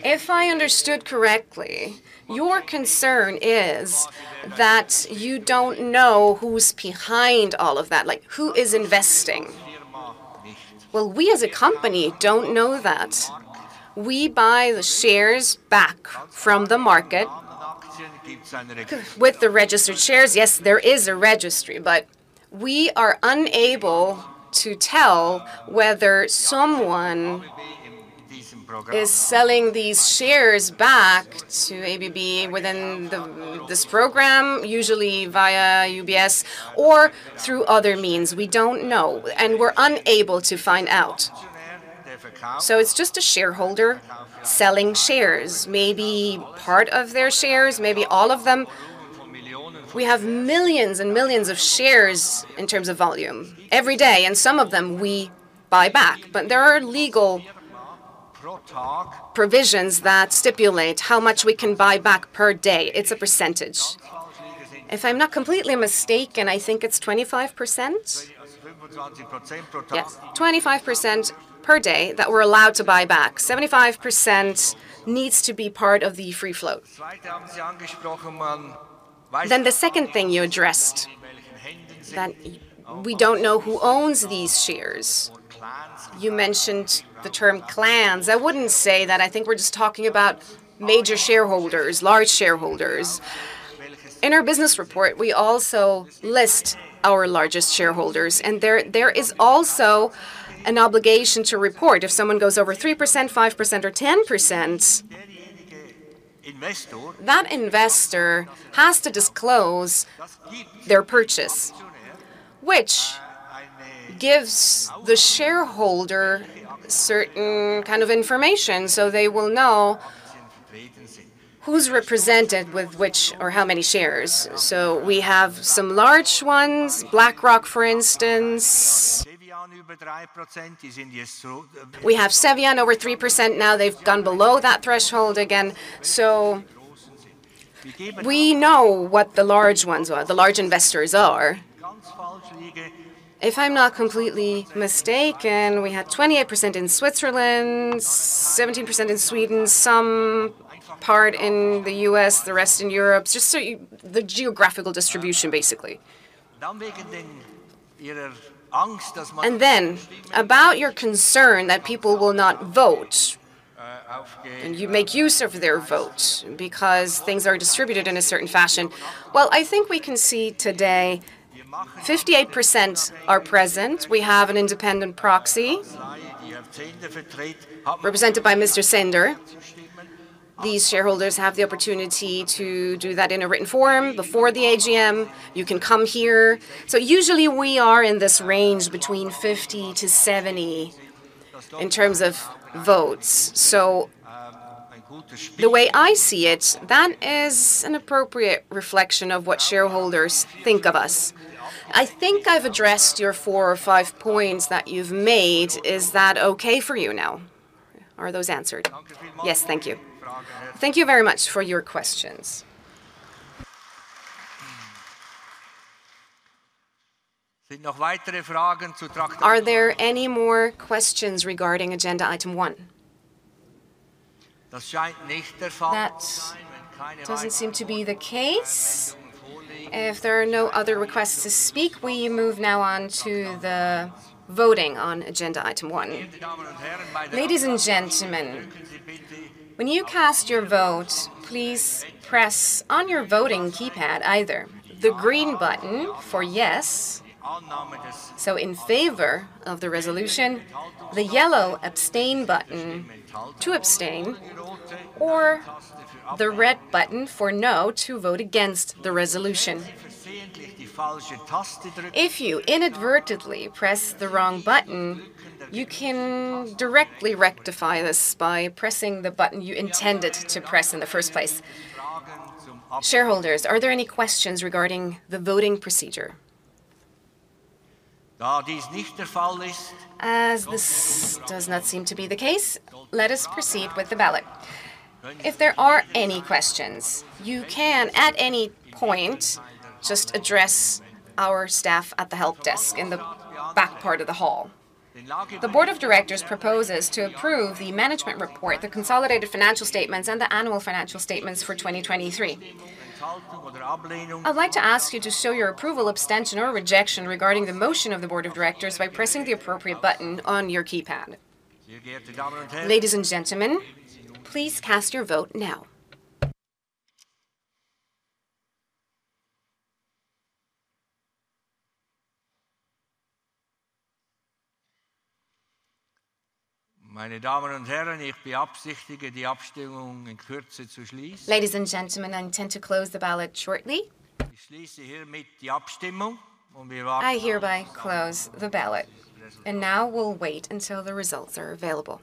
Speaker 1: if I understood correctly, your concern is that you don't know who's behind all of that, like who is investing. Well, we as a company don't know that. We buy the shares back from the market with the registered shares. Yes, there is a registry, but we are unable to tell whether someone is selling these shares back to ABB within this program, usually via UBS or through other means. We don't know, and we're unable to find out. So it's just a shareholder selling shares, maybe part of their shares, maybe all of them. We have millions and millions of shares in terms of volume every day, and some of them we buy back. But there are legal provisions that stipulate how much we can buy back per day. It's a percentage. If I'm not completely mistaken, I think it's 25%. Yes, 25% per day that we're allowed to buy back. 75% needs to be part of the free float. Then the second thing you addressed, that we don't know who owns these shares. You mentioned the term clans. I wouldn't say that. I think we're just talking about major shareholders, large shareholders. In our business report, we also list our largest shareholders, and there is also an obligation to report. If someone goes over 3%, 5%, or 10%, that investor has to disclose their purchase, which gives the shareholder certain kind of information so they will know who's represented with which or how many shares. So we have some large ones, BlackRock, for instance. We have Cevian over 3% now. They've gone below that threshold again. So we know what the large ones are, the large investors are. If I'm not completely mistaken, we had 28% in Switzerland, 17% in Sweden, some part in the U.S., the rest in Europe, just the geographical distribution, basically. Then about your concern that people will not vote and you make use of their vote because things are distributed in a certain fashion. Well, I think we can see today 58% are present. We have an Independent Proxy represented by Mr. Zehnder. These shareholders have the opportunity to do that in a written form before the AGM. You can come here. So usually we are in this range between 50%-70% in terms of votes. So the way I see it, that is an appropriate reflection of what shareholders think of us. I think I've addressed your four or five points that you've made. Is that okay for you now? Are those answered?
Speaker 3: Yes, thank you.
Speaker 1: Thank you very much for your questions. Are there any more questions regarding agenda item one? That doesn't seem to be the case. If there are no other requests to speak, we move now on to the voting on agenda item one. Ladies and gentlemen, when you cast your vote, please press on your voting keypad either the green button for yes, so in favor of the resolution, the yellow abstain button to abstain, or the red button for no to vote against the resolution. If you inadvertently press the wrong button, you can directly rectify this by pressing the button you intended to press in the first place. Shareholders, are there any questions regarding the voting procedure? As this does not seem to be the case, let us proceed with the ballot. If there are any questions, you can at any point just address our staff at the help desk in the back part of the hall. The Board of Directors proposes to approve the Management Report, the consolidated financial statements, and the annual financial statements for 2023. I'd like to ask you to show your approval, abstention, or rejection regarding the motion of the Board of Directors by pressing the appropriate button on your keypad. Ladies and gentlemen, please cast your vote now. Ladies and gentlemen, I intend to close the ballot shortly. I hereby close the ballot. Now we'll wait until the results are available.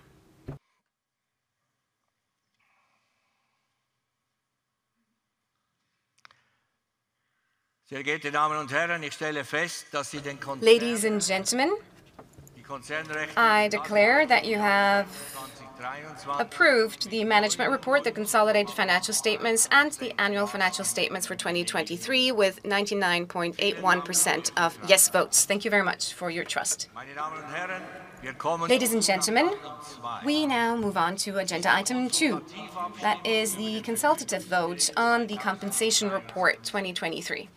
Speaker 1: Ladies and gentlemen, I declare that you have approved the Management Report, the consolidated financial statements, and the annual financial statements for 2023 with 99.81% of yes votes. Thank you very much for your trust. Ladies and gentlemen, we now move on to agenda item two. That is the consultative vote on the Compensation Report 2023.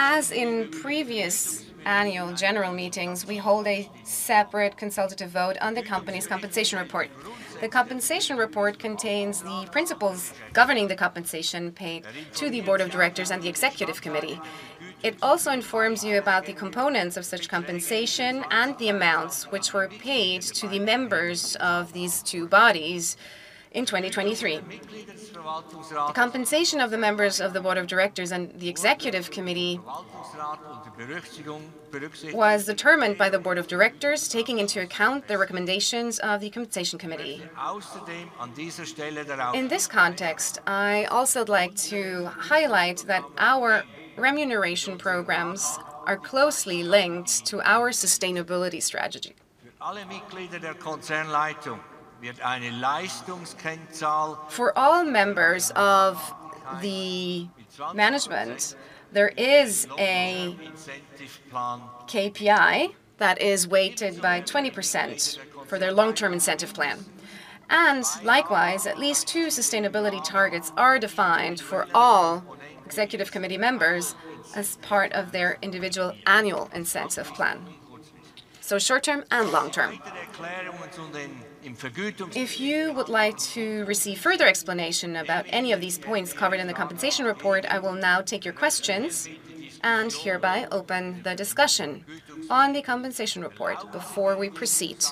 Speaker 1: As in previous Annual General Meetings, we hold a separate consultative vote on the company's compensation report. The compensation report contains the principles governing the compensation paid to the Board of Directors and the Executive Committee. It also informs you about the components of such compensation and the amounts which were paid to the members of these two bodies in 2023. The compensation of the members of the Board of Directors and the Executive Committee was determined by the Board of Directors, taking into account the recommendations of the Compensation Committee. In this context, I'd like to highlight that our remuneration programs are closely linked to our sustainability strategy. For all members of the management, there is a KPI that is weighted by 20% for their long-term incentive plan. Likewise, at least two sustainability targets are defined for all Executive Committee members as part of their individual annual incentive plan, so short-term and long-term. If you would like to receive further explanation about any of these points covered in the compensation report, I will now take your questions and hereby open the discussion on the compensation report before we proceed.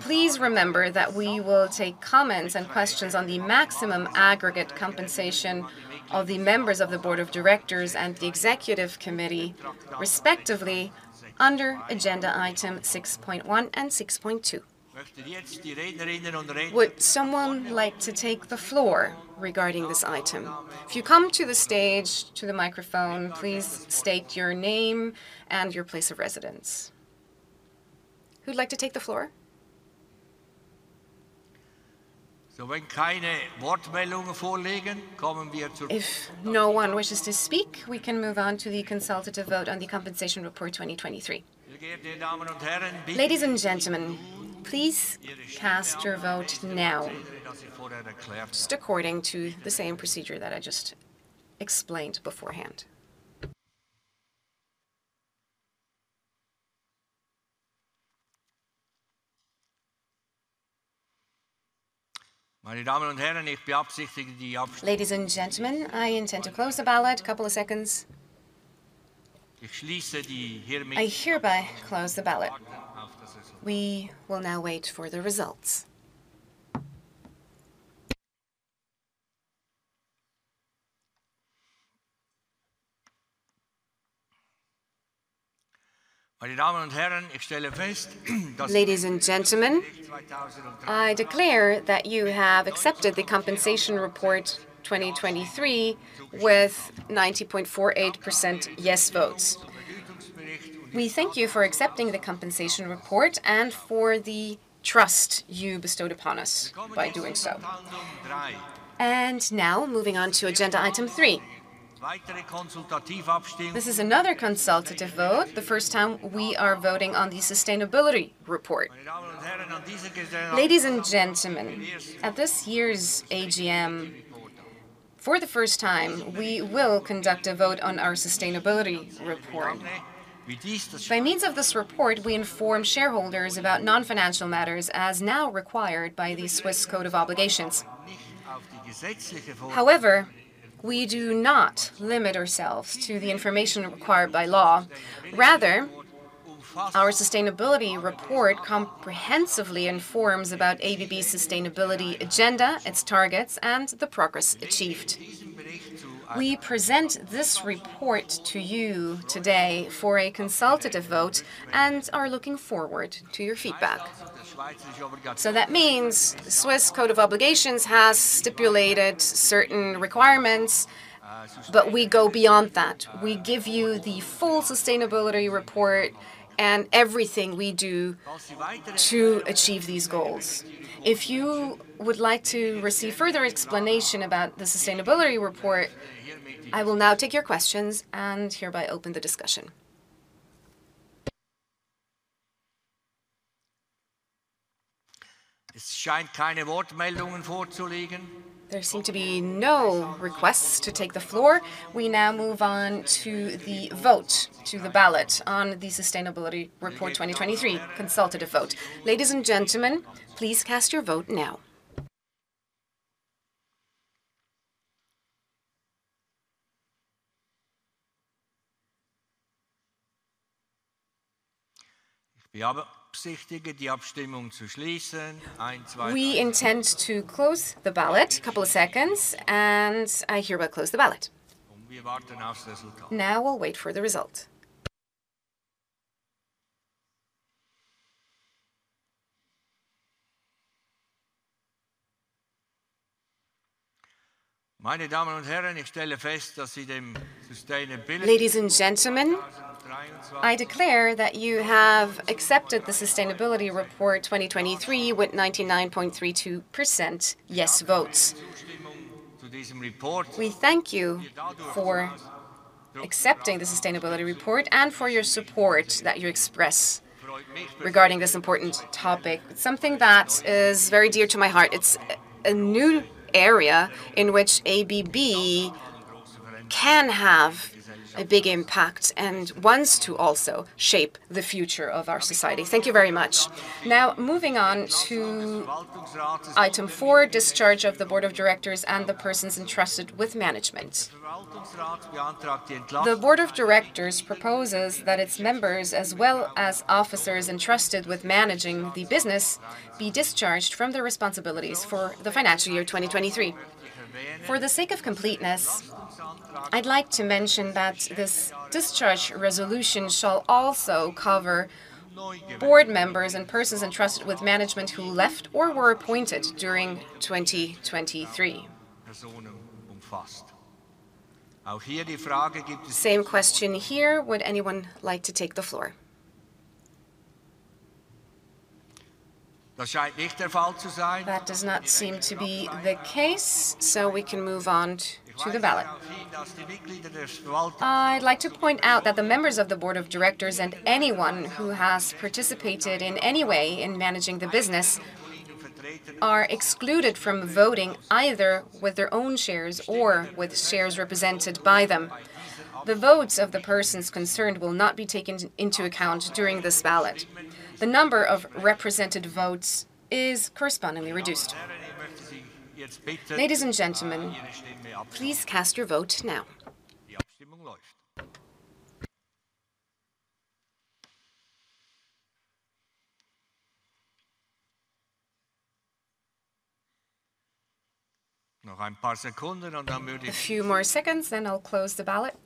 Speaker 1: Please remember that we will take comments and questions on the maximum aggregate compensation of the members of the Board of Directors and the Executive Committee, respectively, under agenda item 6.1 and 6.2. Would someone like to take the floor regarding this item? If you come to the stage, to the microphone, please state your name and your place of residence. Who'd like to take the floor? If no one wishes to speak, we can move on to the consultative vote on the Compensation Report 2023. Ladies and gentlemen, please cast your vote now, just according to the same procedure that I just explained beforehand. Ladies and gentlemen, I intend to close the ballot. A couple of seconds. I hereby close the ballot. We will now wait for the results. Ladies and gentlemen, I declare that you have accepted the 2023 Compensation Report with 90.48% yes votes. We thank you for accepting the Compensation Report and for the trust you bestowed upon us by doing so. Now moving on to agenda item three. This is another consultative vote, the first time we are voting on the Sustainability Report. Ladies and gentlemen, at this year's AGM, for the first time, we will conduct a vote on our Sustainability Report. By means of this report, we inform shareholders about non-financial matters as now required by the Swiss Code of Obligations. However, we do not limit ourselves to the information required by law. Rather, our Sustainability Report comprehensively informs about ABB's sustainability agenda, its targets, and the progress achieved. We present this report to you today for a consultative vote and are looking forward to your feedback. So that means the Swiss Code of Obligations has stipulated certain requirements, but we go beyond that. We give you the full Sustainability Report and everything we do to achieve these goals. If you would like to receive further explanation about the sustainability report, I will now take your questions and hereby open the discussion. There seem to be no requests to take the floor. We now move on to the vote, to the ballot on the Sustainability Report 2023, consultative vote. Ladies and gentlemen, please cast your vote now. We intend to close the ballot. A couple of seconds, and I hereby close the ballot. Now we'll wait for the result. Ladies and gentlemen, I declare that you have accepted the Sustainability Report 2023 with 99.32% yes votes. We thank you for accepting the Sustainability Report and for your support that you express regarding this important topic, something that is very dear to my heart. It's a new area in which ABB can have a big impact and wants to also shape the future of our society. Thank you very much. Now moving on to item four, discharge of the Board of Directors and the persons entrusted with management. The Board of Directors proposes that its members, as well as officers entrusted with managing the business, be discharged from their responsibilities for the financial year 2023. For the sake of completeness, I'd like to mention that this discharge resolution shall also cover Board Members and persons entrusted with management who left or were appointed during 2023. Same question here. Would anyone like to take the floor? That does not seem to be the case, so we can move on to the ballot. I'd like to point out that the members of the Board of Directors and anyone who has participated in any way in managing the business are excluded from voting either with their own shares or with shares represented by them. The votes of the persons concerned will not be taken into account during this ballot. The number of represented votes is correspondingly reduced. Ladies and gentlemen, please cast your vote now. A few more seconds, and I'll close the ballot.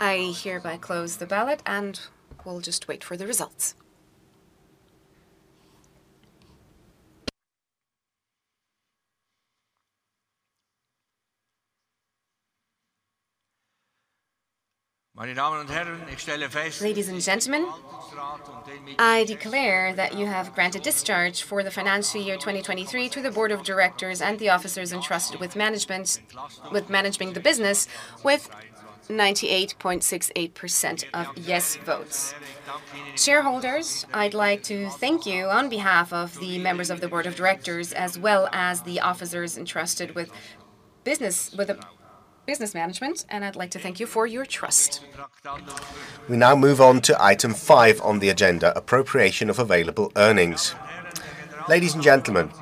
Speaker 1: I hereby close the ballot, and we'll just wait for the results. Ladies and gentlemen, I declare that you have granted discharge for the financial year 2023 to the Board of Directors and the officers entrusted with management, with managing the business, with 98.68% of yes votes. Shareholders, I'd like to thank you on behalf of the members of the Board of Directors, as well as the officers entrusted with business management, and I'd like to thank you for your trust. We now move on to item five on the agenda, appropriation of available earnings. Ladies and gentlemen,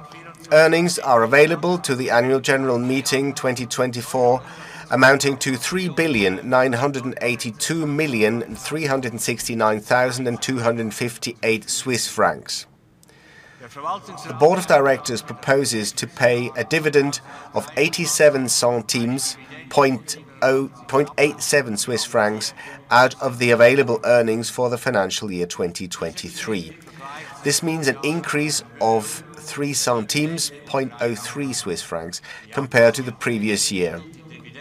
Speaker 1: earnings are available to the Annual General Meeting 2024, amounting to 3,982,369,258 Swiss francs. The Board of Directors proposes to pay a dividend of 0.87 Swiss francs out of the available earnings for the financial year 2023. This means an increase of 0.03 Swiss francs compared to the previous year.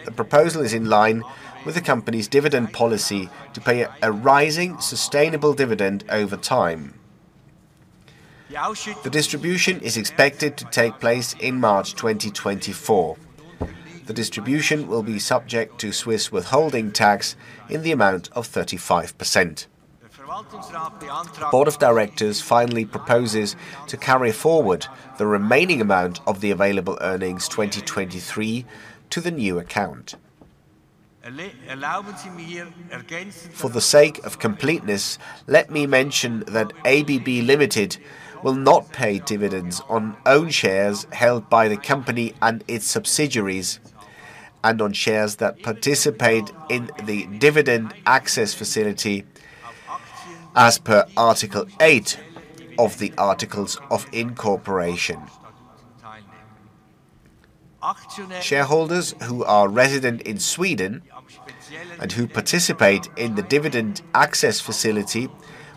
Speaker 1: The proposal is in line with the company's dividend policy to pay a rising, sustainable dividend over time. The distribution is expected to take place in March 2024. The distribution will be subject to Swiss withholding tax in the amount of 35%. The Board of Directors finally proposes to carry forward the remaining amount of the available earnings 2023 to the new account. For the sake of completeness, let me mention that ABB Ltd will not pay dividends on own shares held by the company and its subsidiaries, and on shares that participate in the Dividend Access Facility as per Article 8 of the Articles of Incorporation. Shareholders who are resident in Sweden and who participate in the Dividend Access Facility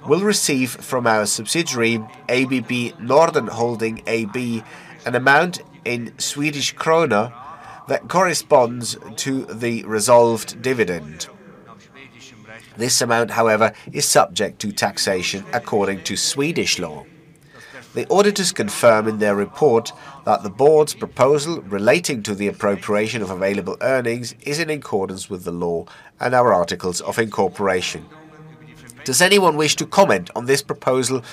Speaker 1: will receive from our subsidiary, ABB Norden Holding AB, an amount in Swedish krona that corresponds to the resolved dividend. This amount, however, is subject to taxation according to Swedish law. The auditors confirm in their report that the board's proposal relating to the appropriation of available earnings is in accordance with the law and our Articles of Incorporation. Does anyone wish to comment on this proposal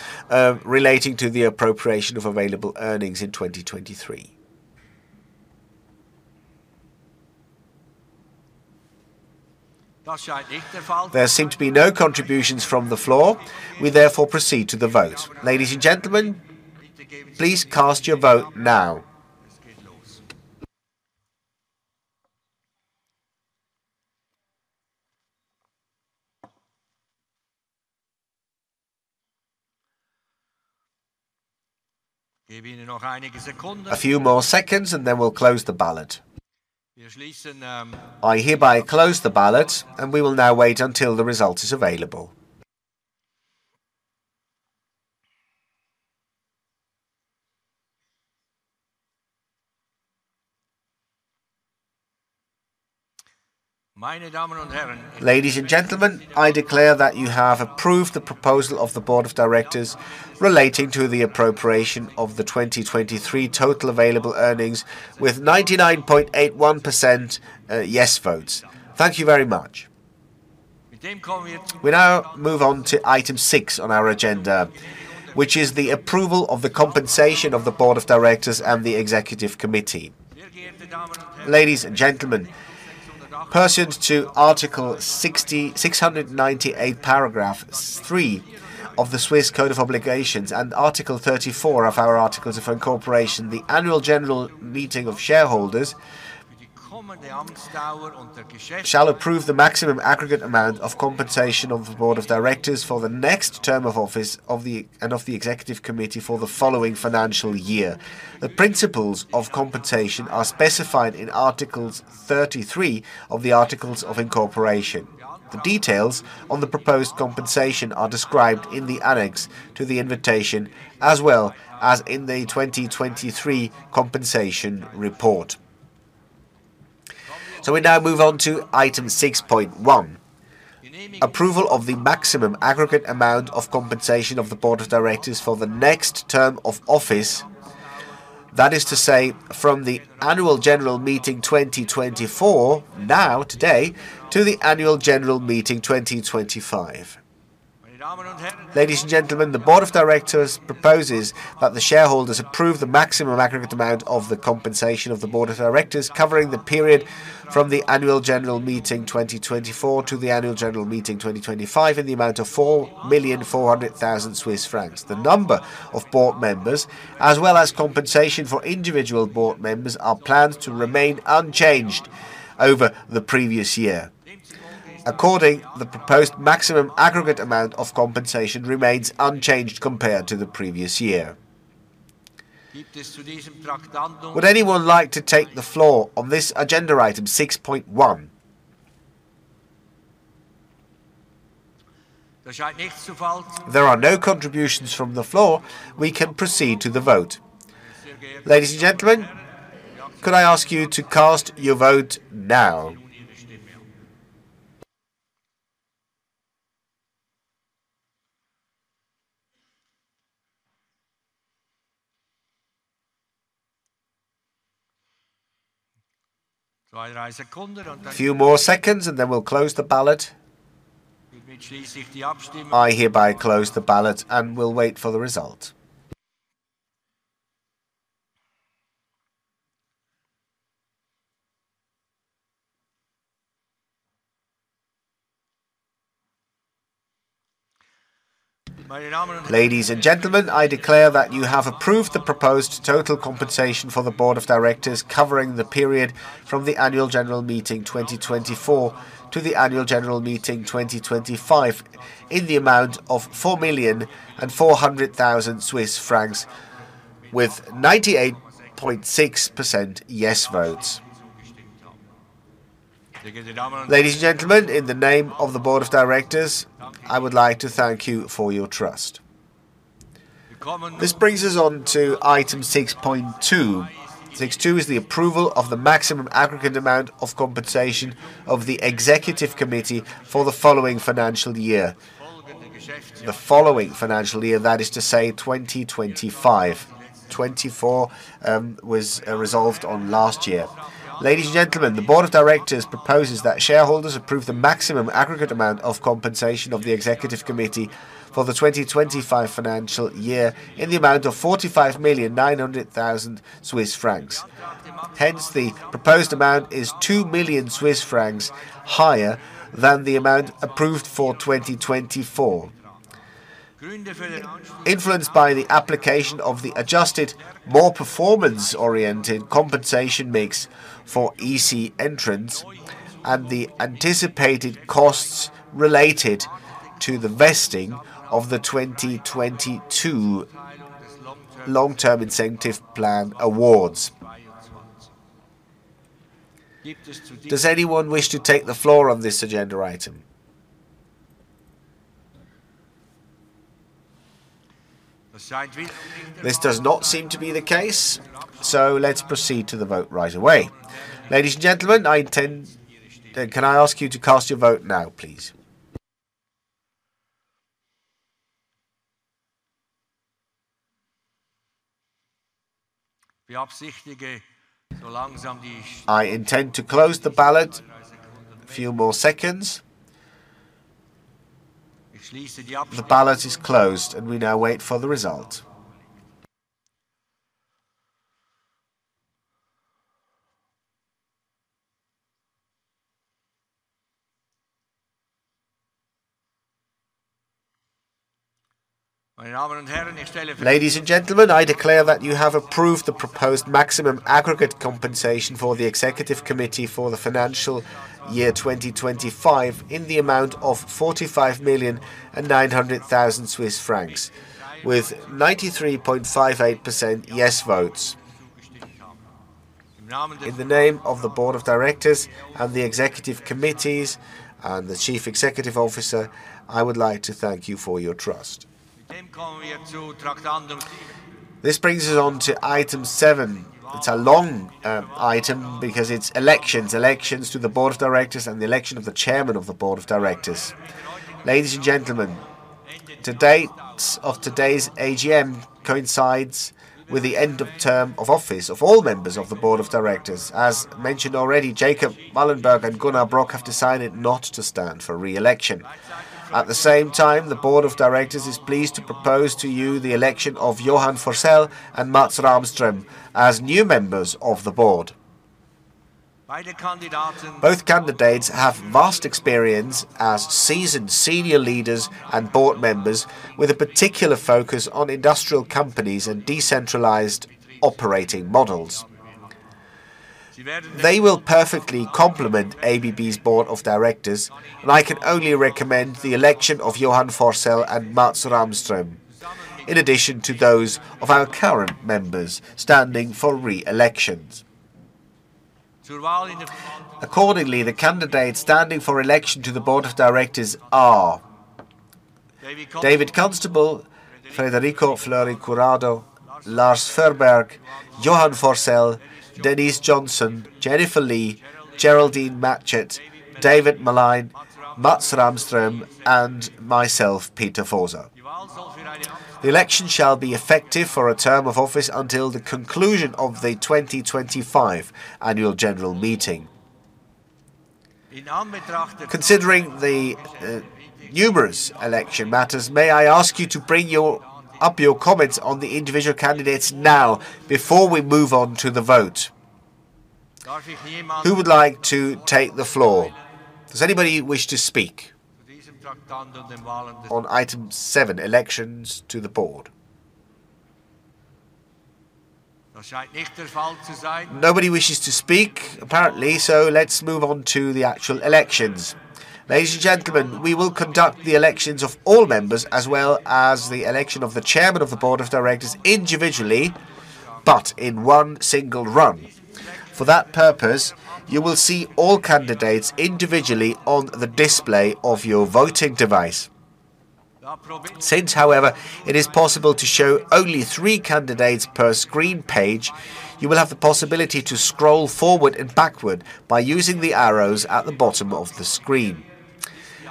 Speaker 1: relating to the appropriation of available earnings in 2023? There seem to be no contributions from the floor. We therefore proceed to the vote. Ladies and gentlemen, please cast your vote now. A few more seconds, and then we'll close the ballot. I hereby close the ballot, and we will now wait until the result is available. Ladies and gentlemen, I declare that you have approved the proposal of the Board of Directors relating to the appropriation of the 2023 total available earnings with 99.81% yes votes. Thank you very much. We now move on to item six on our agenda, which is the approval of the compensation of the Board of Directors and the Executive Committee. Ladies and gentlemen, pursuant to Article 698, paragraph 3 of the Swiss Code of Obligations and Article 34 of our Articles of Incorporation, the Annual General Meeting of shareholders shall approve the maximum aggregate amount of compensation of the Board of Directors for the next term of office and of the Executive Committee for the following financial year. The principles of compensation are specified in Article 33 of the Articles of Incorporation. The details on the proposed compensation are described in the annex to the invitation, as well as in the 2023 compensation report. We now move on to item 6.1, approval of the maximum aggregate amount of compensation of the Board of Directors for the next term of office, that is to say, from the Annual General Meeting 2024, now, today, to the Annual General Meeting 2025. Ladies and gentlemen, the Board of Directors proposes that the shareholders approve the maximum aggregate amount of the compensation of the Board of Directors covering the period from the Annual General Meeting 2024 to the Annual General Meeting 2025 in the amount of 4,400,000 Swiss francs. The number of Board Members, as well as compensation for individual Board Members, are planned to remain unchanged over the previous year. Accordingly, the proposed maximum aggregate amount of compensation remains unchanged compared to the previous year. Would anyone like to take the floor on this agenda item 6.1? There are no contributions from the floor. We can proceed to the vote. Ladies and gentlemen, could I ask you to cast your vote now? A few more seconds, and then we'll close the ballot. I hereby close the ballot, and we'll wait for the result. Ladies and gentlemen, I declare that you have approved the proposed total compensation for the Board of Directors covering the period from the Annual General Meeting 2024 to the Annual General Meeting 2025 in the amount of 4,400,000 Swiss francs, with 98.6% yes votes. Ladies and gentlemen, in the name of the Board of Directors, I would like to thank you for your trust. This brings us on to item 6.2. 6.2 is the approval of the maximum aggregate amount of compensation of the Executive Committee for the following financial year. The following financial year, that is to say, 2025. 2024 was resolved last year. Ladies and gentlemen, the Board of Directors proposes that shareholders approve the maximum aggregate amount of compensation of the Executive Committee for the 2025 financial year in the amount of 45,900,000 Swiss francs. Hence, the proposed amount is 2 million Swiss francs higher than the amount approved for 2024, influenced by the application of the adjusted, more performance-oriented compensation mix for EC entrants and the anticipated costs related to the vesting of the 2022 long-term incentive plan awards. Does anyone wish to take the floor on this agenda item? This does not seem to be the case, so let's proceed to the vote right away. Ladies and gentlemen, I intend. Can I ask you to cast your vote now, please? I intend to close the ballot. A few more seconds. The ballot is closed, and we now wait for the result. Ladies and gentlemen, I declare that you have approved the proposed maximum aggregate compensation for the Executive Committee for the financial year 2025 in the amount of 45,900,000 Swiss francs, with 93.58% yes votes. In the name of the Board of Directors and the Executive Committees and the Chief Executive Officer, I would like to thank you for your trust. This brings us on to item seven. It's a long item because it's elections, elections to the Board of Directors and the election of the Chairman of the Board of Directors. Ladies and gentlemen, the date of today's AGM coincides with the end of term of office of all members of the Board of Directors. As mentioned already, Jacob Wallenberg and Gunnar Brock have decided not to stand for reelection. At the same time, the Board of Directors is pleased to propose to you the election of Johan Forssell and Mats Rahmström as new members of the Board. Both candidates have vast experience as seasoned senior leaders and board members, with a particular focus on industrial companies and decentralized operating models. They will perfectly complement ABB's Board of Directors, and I can only recommend the election of Johan Forssell and Mats Rahmström in addition to those of our current members standing for reelections. Accordingly, the candidates standing for election to the Board of Directors are David Constable, Frederico Fleury Curado, Lars Förberg, Johan Forssell, Denise Johnson, Jennifer Li, Geraldine Matchett, David Meline, Mats Rahmström, and myself, Peter Voser. The election shall be effective for a term of office until the conclusion of the 2025 Annual General Meeting. Considering the numerous election matters, may I ask you to bring up your comments on the individual candidates now before we move on to the vote? Who would like to take the floor? Does anybody wish to speak on item seven, elections to the Board? Nobody wishes to speak, apparently, so let's move on to the actual elections. Ladies and gentlemen, we will conduct the elections of all members as well as the election of the Chairman of the Board of Directors individually, but in one single run. For that purpose, you will see all candidates individually on the display of your voting device. Since, however, it is possible to show only three candidates per screen page, you will have the possibility to scroll forward and backward by using the arrows at the bottom of the screen.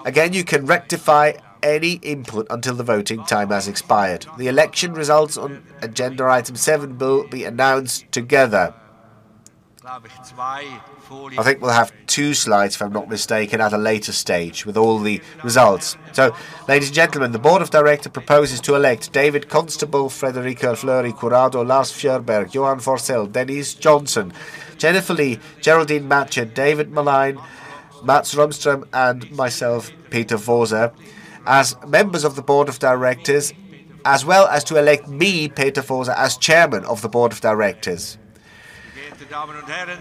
Speaker 1: Again, you can rectify any input until the voting time has expired. The election results on agenda item seven will be announced together. I think we'll have two slides, if I'm not mistaken, at a later stage with all the results. So, ladies and gentlemen, the Board of Directors proposes to elect David Constable, Frederico Fleury Curado, Lars Förberg, Johan Forssell, Denise Johnson, Jennifer Li, Geraldine Matchett, David Meline, Mats Rahmström, and myself, Peter Voser, as members of the Board of Directors, as well as to elect me, Peter Voser, as Chairman of the Board of Directors.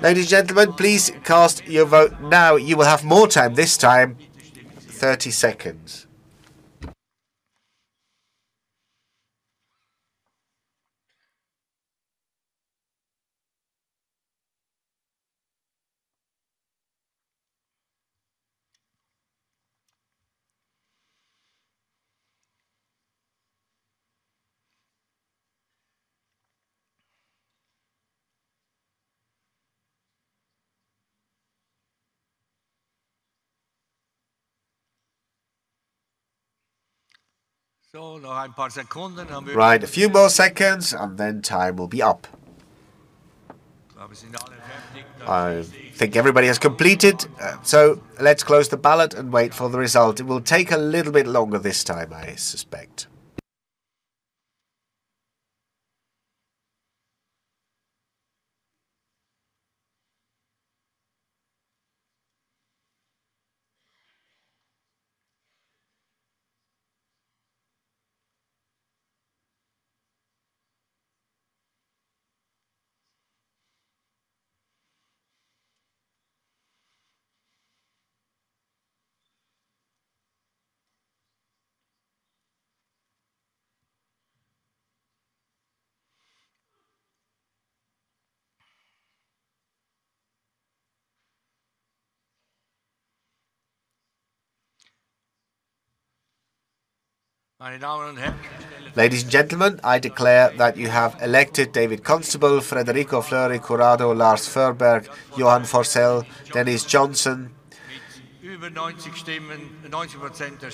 Speaker 1: Ladies and gentlemen, please cast your vote now. You will have more time this time. 30 seconds. Right, a few more seconds, and then time will be up. I think everybody has completed. So let's close the ballot and wait for the result. It will take a little bit longer this time, I suspect. Ladies and gentlemen, I declare that you have elected David Constable, Frederico Fleury Curado, Lars Förberg, Johan Forssell, Denise Johnson,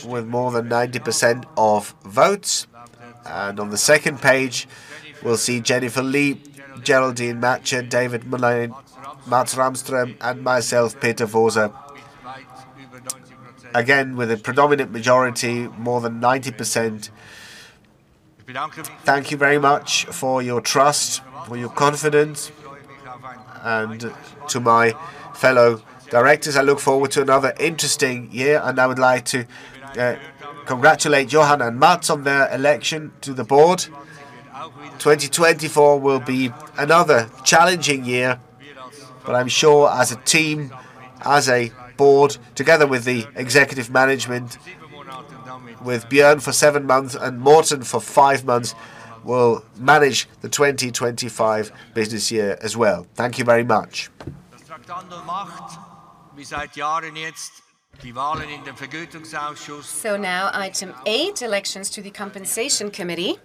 Speaker 1: with more than 90% of votes. On the second page, we'll see Jennifer Li, Geraldine Matchett, David Meline, Mats Rahmström, and myself, Peter Voser, again with a predominant majority, more than 90%. Thank you very much for your trust, for your confidence, and to my fellow directors. I look forward to another interesting year, and I would like to congratulate Johan and Mats on their election to the board. 2024 will be another challenging year, but I'm sure as a team, as a Board, together with the Executive management, with Björn for seven months and Morten for five months, we'll manage the 2025 business year as well. Thank you very much. Now item eight, elections to the Compensation Committee.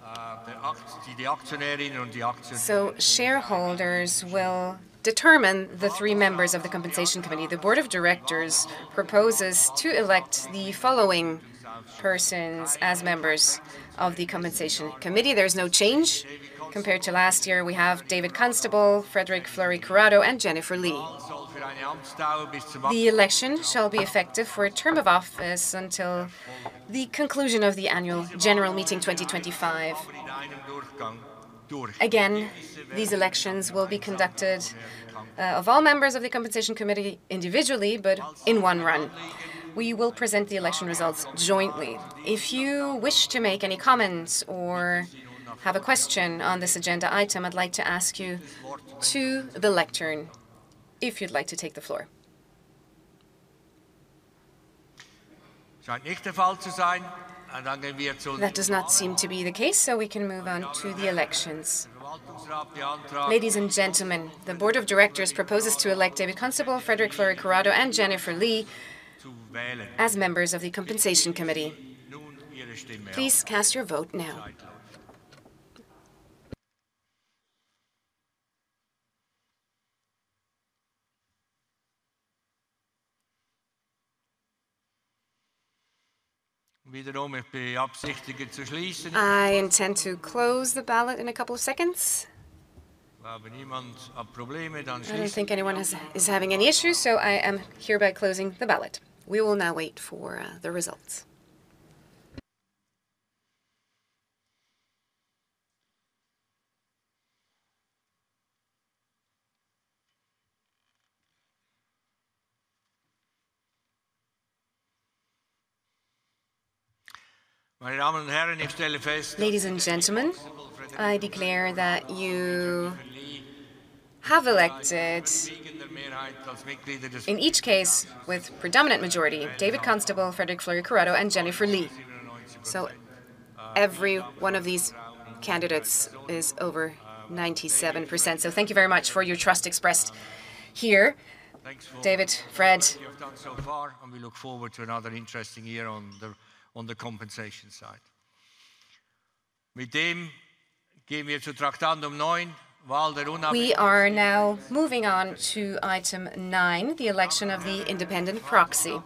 Speaker 1: So shareholders will determine the three members of the Compensation Committee. The Board of Directors proposes to elect the following persons as members of the Compensation Committee. There's no change compared to last year. We have David Constable, Frederico Fleury Curado, and Jennifer Li. The election shall be effective for a term of office until the conclusion of the Annual General Meeting 2025. Again, these elections will be conducted of all members of the Compensation Committee individually, but in one run. We will present the election results jointly. If you wish to make any comments or have a question on this agenda item, I'd like to ask you to the lectern if you'd like to take the floor. That does not seem to be the case, so we can move on to the elections. Ladies and gentlemen, the Board of Directors proposes to elect David Constable, Frederico Fleury Curado, and Jennifer Li as members of the compensation committee. Please cast your vote now. I intend to close the ballot in a couple of seconds. I don't think anyone is having any issues, so I am hereby closing the ballot. We will now wait for the results. Ladies and gentlemen, I declare that you have elected, in each case with predominant majority, David Constable, Frederico Fleury Curado, and Jennifer Li. Every one of these candidates is over 97%. Thank you very much for your trust expressed here. David, Fred, and we look forward to another interesting year on the compensation side. We are now moving on to item nine, the election of the Independent Proxy.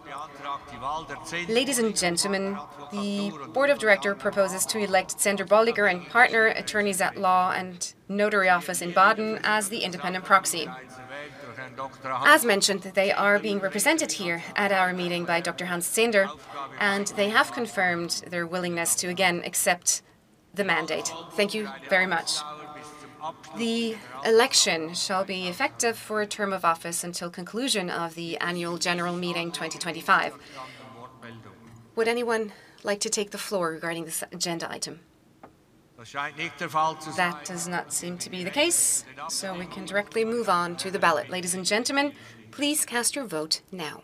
Speaker 1: Ladies and gentlemen, the Board of Directors proposes to elect Zehnder Bolliger & Partner attorneys at law and notary office in Baden as the Independent Proxy. As mentioned, they are being represented here at our meeting by Dr. Hans Zehnder, and they have confirmed their willingness to again accept the mandate. Thank you very much. The election shall be effective for a term of office until conclusion of the Annual General Meeting 2025. Would anyone like to take the floor regarding this agenda item? That does not seem to be the case, so we can directly move on to the ballot. Ladies and gentlemen, please cast your vote now.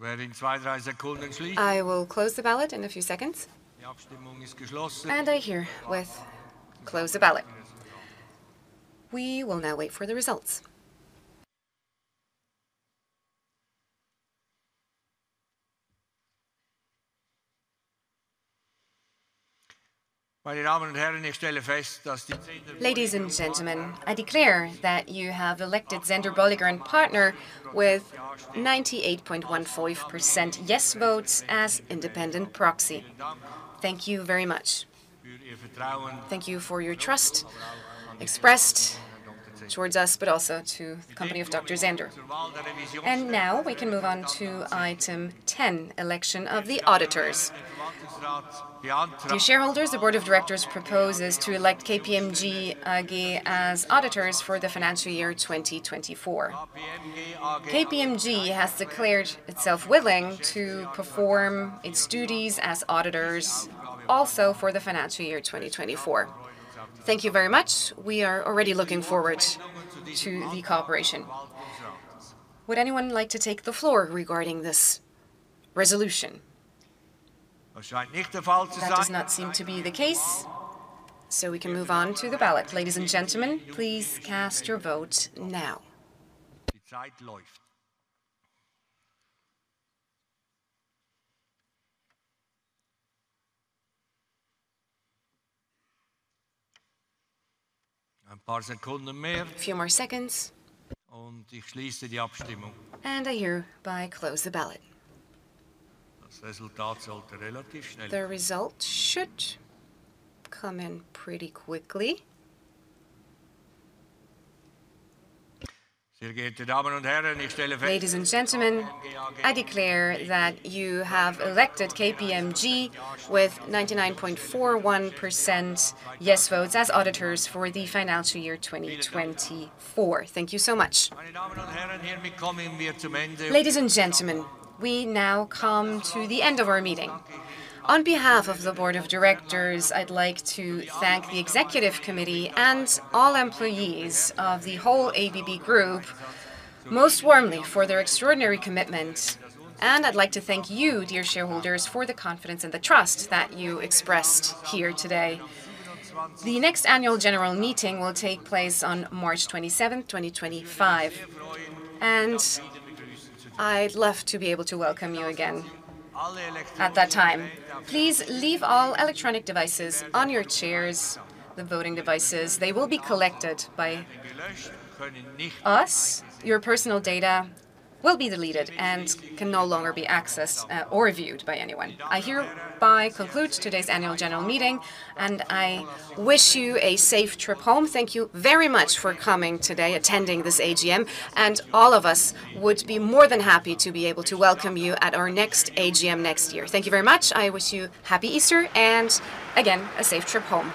Speaker 1: I will close the ballot in a few seconds. And I hereby close the ballot. We will now wait for the results. Ladies and gentlemen, I declare that you have elected Zehnder & Partner with 98.15% yes votes as Independent Proxy. Thank you very much. Thank you for your trust expressed towards us, but also to the company of Dr. Zehnder. Now we can move on to item 10, election of the auditors. The Board of Directors proposes to elect KPMG AG as auditors for the financial year 2024. KPMG has declared itself willing to perform its duties as auditors also for the financial year 2024. Thank you very much. We are already looking forward to the cooperation. Would anyone like to take the floor regarding this resolution? That does not seem to be the case, so we can move on to the ballot. Ladies and gentlemen, please cast your vote now. A few more seconds. I hereby close the ballot. The result should come in pretty quickly. Ladies and gentlemen, I declare that you have elected KPMG with 99.41% yes votes as auditors for the financial year 2024. Thank you so much. Ladies and gentlemen, we now come to the end of our meeting. On behalf of the Board of Directors, I'd like to thank the Executive Committee and all employees of the whole ABB Group most warmly for their extraordinary commitment. I'd like to thank you, dear shareholders, for the confidence and the trust that you expressed here today. The next Annual General Meeting will take place on March 27, 2025, and I'd love to be able to welcome you again at that time. Please leave all electronic devices on your chairs, the voting devices. They will be collected by us. Your personal data will be deleted and can no longer be accessed or viewed by anyone. I hereby conclude today's Annual General Meeting, and I wish you a safe trip home. Thank you very much for coming today, attending this AGM, and all of us would be more than happy to be able to welcome you at our next AGM next year. Thank you very much. I wish you Happy Easter and, again, a safe trip home.